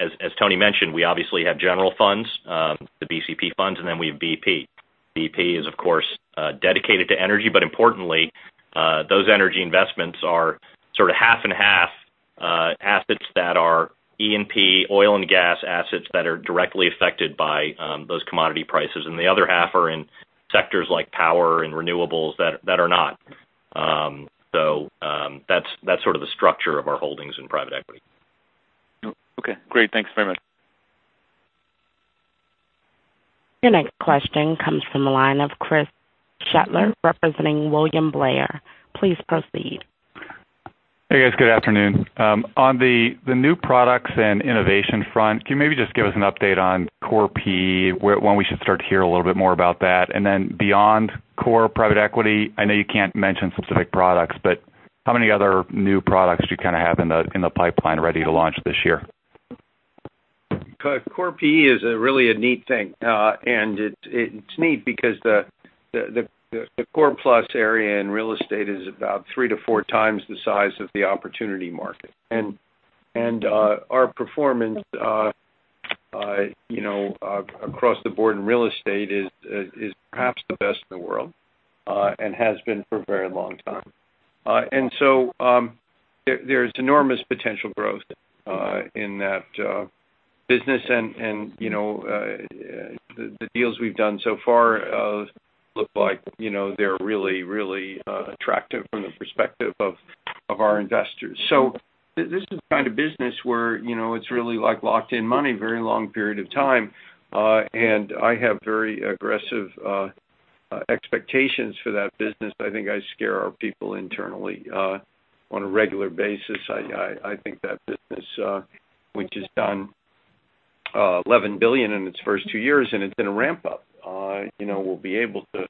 as Tony mentioned, we obviously have general funds, the BCP funds, and then we have BEP. BEP is, of course, dedicated to energy. Importantly, those energy investments are sort of half and half assets that are E&P oil and gas assets that are directly affected by those commodity prices, and the other half are in sectors like power and renewables that are not. That's sort of the structure of our holdings in private equity. Okay, great. Thanks very much. Your next question comes from the line of Chris Kotowski, representing William Blair. Please proceed. Hey, guys. Good afternoon. On the new products and innovation front, can you maybe just give us an update on Core PE? When we should start to hear a little bit more about that? Beyond Core private equity, I know you can't mention specific products, but how many other new products do you have in the pipeline ready to launch this year? Core PE is really a neat thing. It's neat because the Core Plus area in real estate is about three to four times the size of the opportunity market. Our performance across the board in real estate is perhaps the best in the world, and has been for a very long time. There's enormous potential growth in that business, and the deals we've done so far look like they're really attractive from the perspective of our investors. This is the kind of business where it's really locked in money, very long period of time. I have very aggressive expectations for that business. I think I scare our people internally on a regular basis. I think that business, which has done $11 billion in its first two years, and it's in a ramp-up. We'll be able to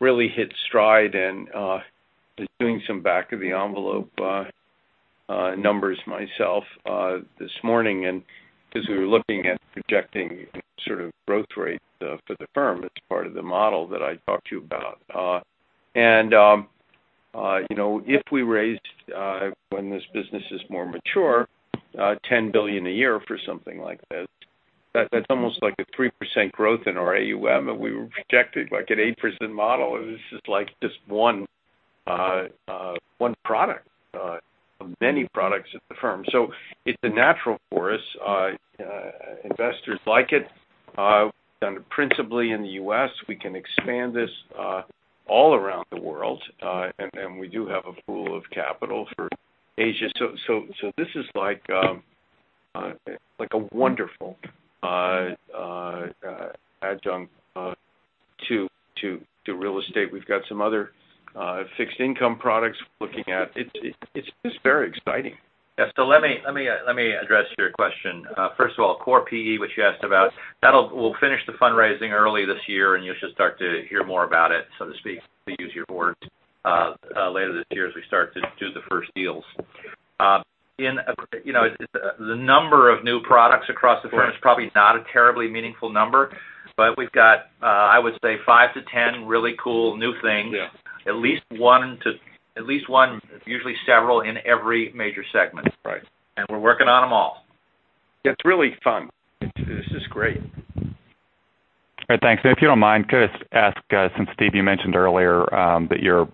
really hit stride and doing some back of the envelope numbers myself this morning. Because we were looking at projecting sort of growth rate for the firm. It's part of the model that I talked to you about. If we raised, when this business is more mature, $10 billion a year for something like this, that's almost like a 3% growth in our AUM. We were projected like at 8% model. This is like just one product of many products at the firm. It's natural for us. Investors like it. We've done it principally in the U.S. We can expand this all around the world. We do have a pool of capital for Asia. This is like a wonderful adjunct to real estate. We've got some other fixed income products we're looking at. It's very exciting. Yeah. Let me address your question. First of all, Core PE, which you asked about, that will finish the fundraising early this year, you should start to hear more about it, so to speak, to use your words, later this year as we start to do the first deals. The number of new products across the firm is probably not a terribly meaningful number, but we've got, I would say, five to 10 really cool new things. Yeah. At least one, usually several in every major segment. Right. We're working on them all. It's really fun. This is great. All right, thanks. If you don't mind, could I just ask, since Steve, you mentioned earlier that you're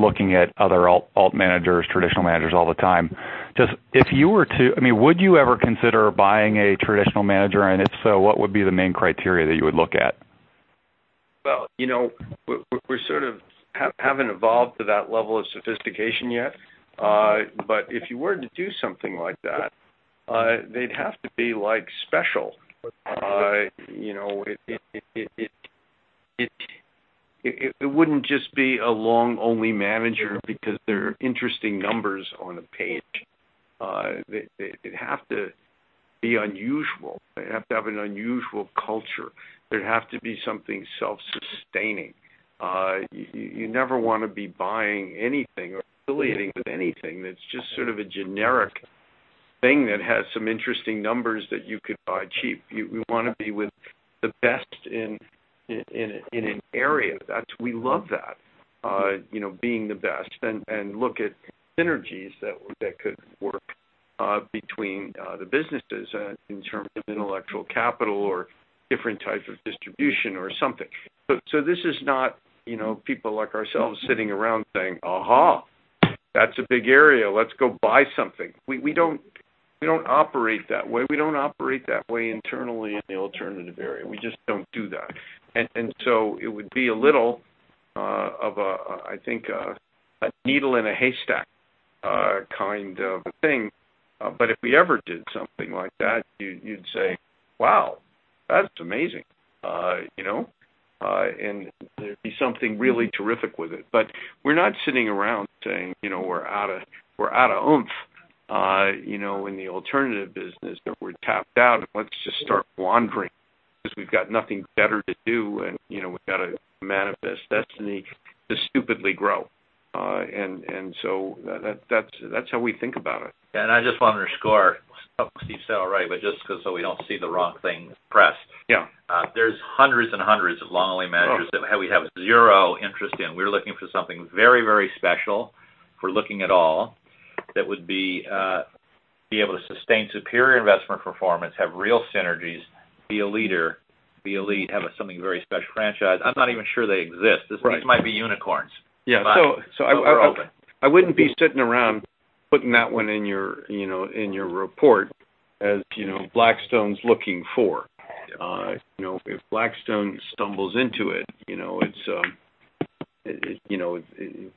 looking at other alt managers, traditional managers all the time. Would you ever consider buying a traditional manager? If so, what would be the main criteria that you would look at? Well, we sort of haven't evolved to that level of sophistication yet. If you were to do something like that, they'd have to be special. It wouldn't just be a long-only manager because there are interesting numbers on a page. They'd have to be unusual. They'd have to have an unusual culture. They'd have to be something self-sustaining. You never want to be buying anything or affiliating with anything that's just sort of a generic thing that has some interesting numbers that you could buy cheap. We want to be with the best in In an area. We love that, being the best, look at synergies that could work between the businesses in terms of intellectual capital or different types of distribution or something. This is not people like ourselves sitting around saying, "Aha, that's a big area. Let's go buy something." We don't operate that way. We don't operate that way internally in the alternative area. We just don't do that. It would be a little of, I think, a needle in a haystack kind of a thing. If we ever did something like that, you'd say, "Wow, that's amazing." There'd be something really terrific with it. We're not sitting around saying, "We're out of oomph in the alternative business," that we're tapped out and let's just start wandering because we've got nothing better to do, and we've got a manifest destiny to stupidly grow. That's how we think about it. I just want to underscore, Steve said all right, but just so we don't see the wrong thing pressed. Yeah. There's hundreds and hundreds of long-only managers that we have zero interest in. We're looking for something very, very special, if we're looking at all, that would be able to sustain superior investment performance, have real synergies, be a leader, be elite, have something very special, franchise. I'm not even sure they exist. Right. These might be unicorns. Yeah. We're open. I wouldn't be sitting around putting that one in your report as Blackstone's looking for. If Blackstone stumbles into it,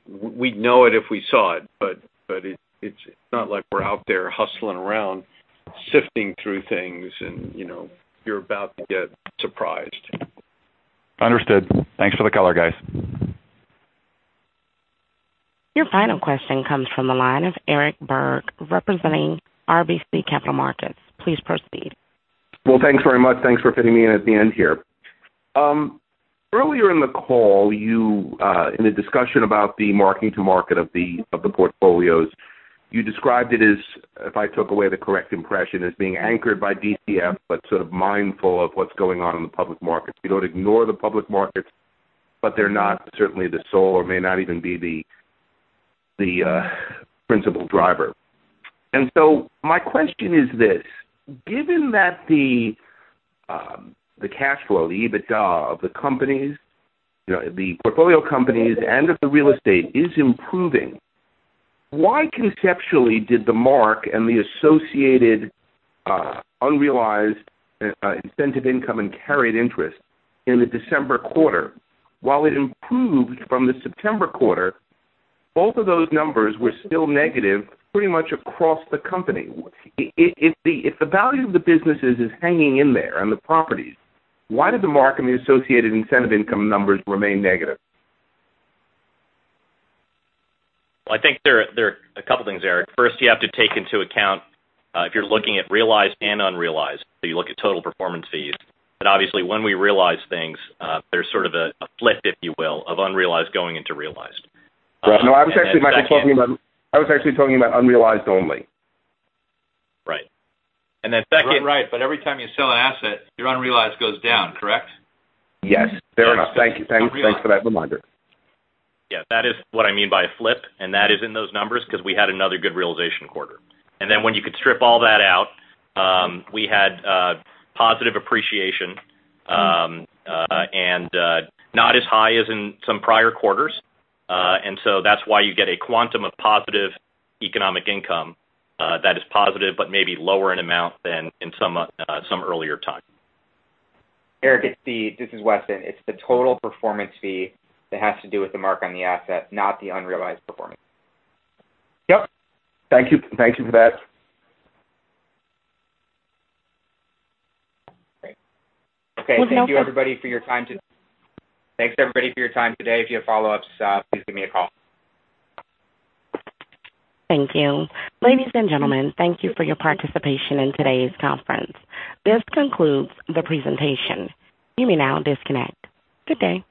we'd know it if we saw it, but it's not like we're out there hustling around, sifting through things, and you're about to get surprised. Understood. Thanks for the color, guys. Your final question comes from the line of Eric Berg representing RBC Capital Markets. Please proceed. Well, thanks very much. Thanks for fitting me in at the end here. Earlier in the call, in the discussion about the marking to market of the portfolios, you described it as, if I took away the correct impression, as being anchored by DCF, but sort of mindful of what's going on in the public markets. You don't ignore the public markets, but they're not certainly the sole or may not even be the principal driver. My question is this: given that the cash flow, the EBITDA of the companies, the portfolio companies, and of the real estate is improving, why conceptually did the mark and the associated unrealized incentive income and carried interest in the December quarter, while it improved from the September quarter, both of those numbers were still negative pretty much across the company. If the value of the businesses is hanging in there and the properties, why did the mark and the associated incentive income numbers remain negative? Well, I think there are a couple things, Eric. First, you have to take into account if you're looking at realized and unrealized, so you look at total performance fees. Obviously, when we realize things, there's sort of a flip, if you will, of unrealized going into realized. Right. No, I was actually talking about unrealized only. Right. Right. Every time you sell an asset, your unrealized goes down, correct? Yes. Fair enough. Thank you. Thanks for that reminder. Yeah, that is what I mean by a flip, and that is in those numbers because we had another good realization quarter. When you could strip all that out, we had positive appreciation, and not as high as in some prior quarters. That's why you get a quantum of positive economic income that is positive but maybe lower in amount than in some earlier time. Eric, this is Weston. It's the total performance fee that has to do with the mark on the asset, not the unrealized performance. Yep. Thank you for that. Great. We'll now- Okay. Thank you, everybody, for your time today. Thanks, everybody, for your time today. If you have follow-ups, please give me a call. Thank you. Ladies and gentlemen, thank you for your participation in today's conference. This concludes the presentation. You may now disconnect. Good day.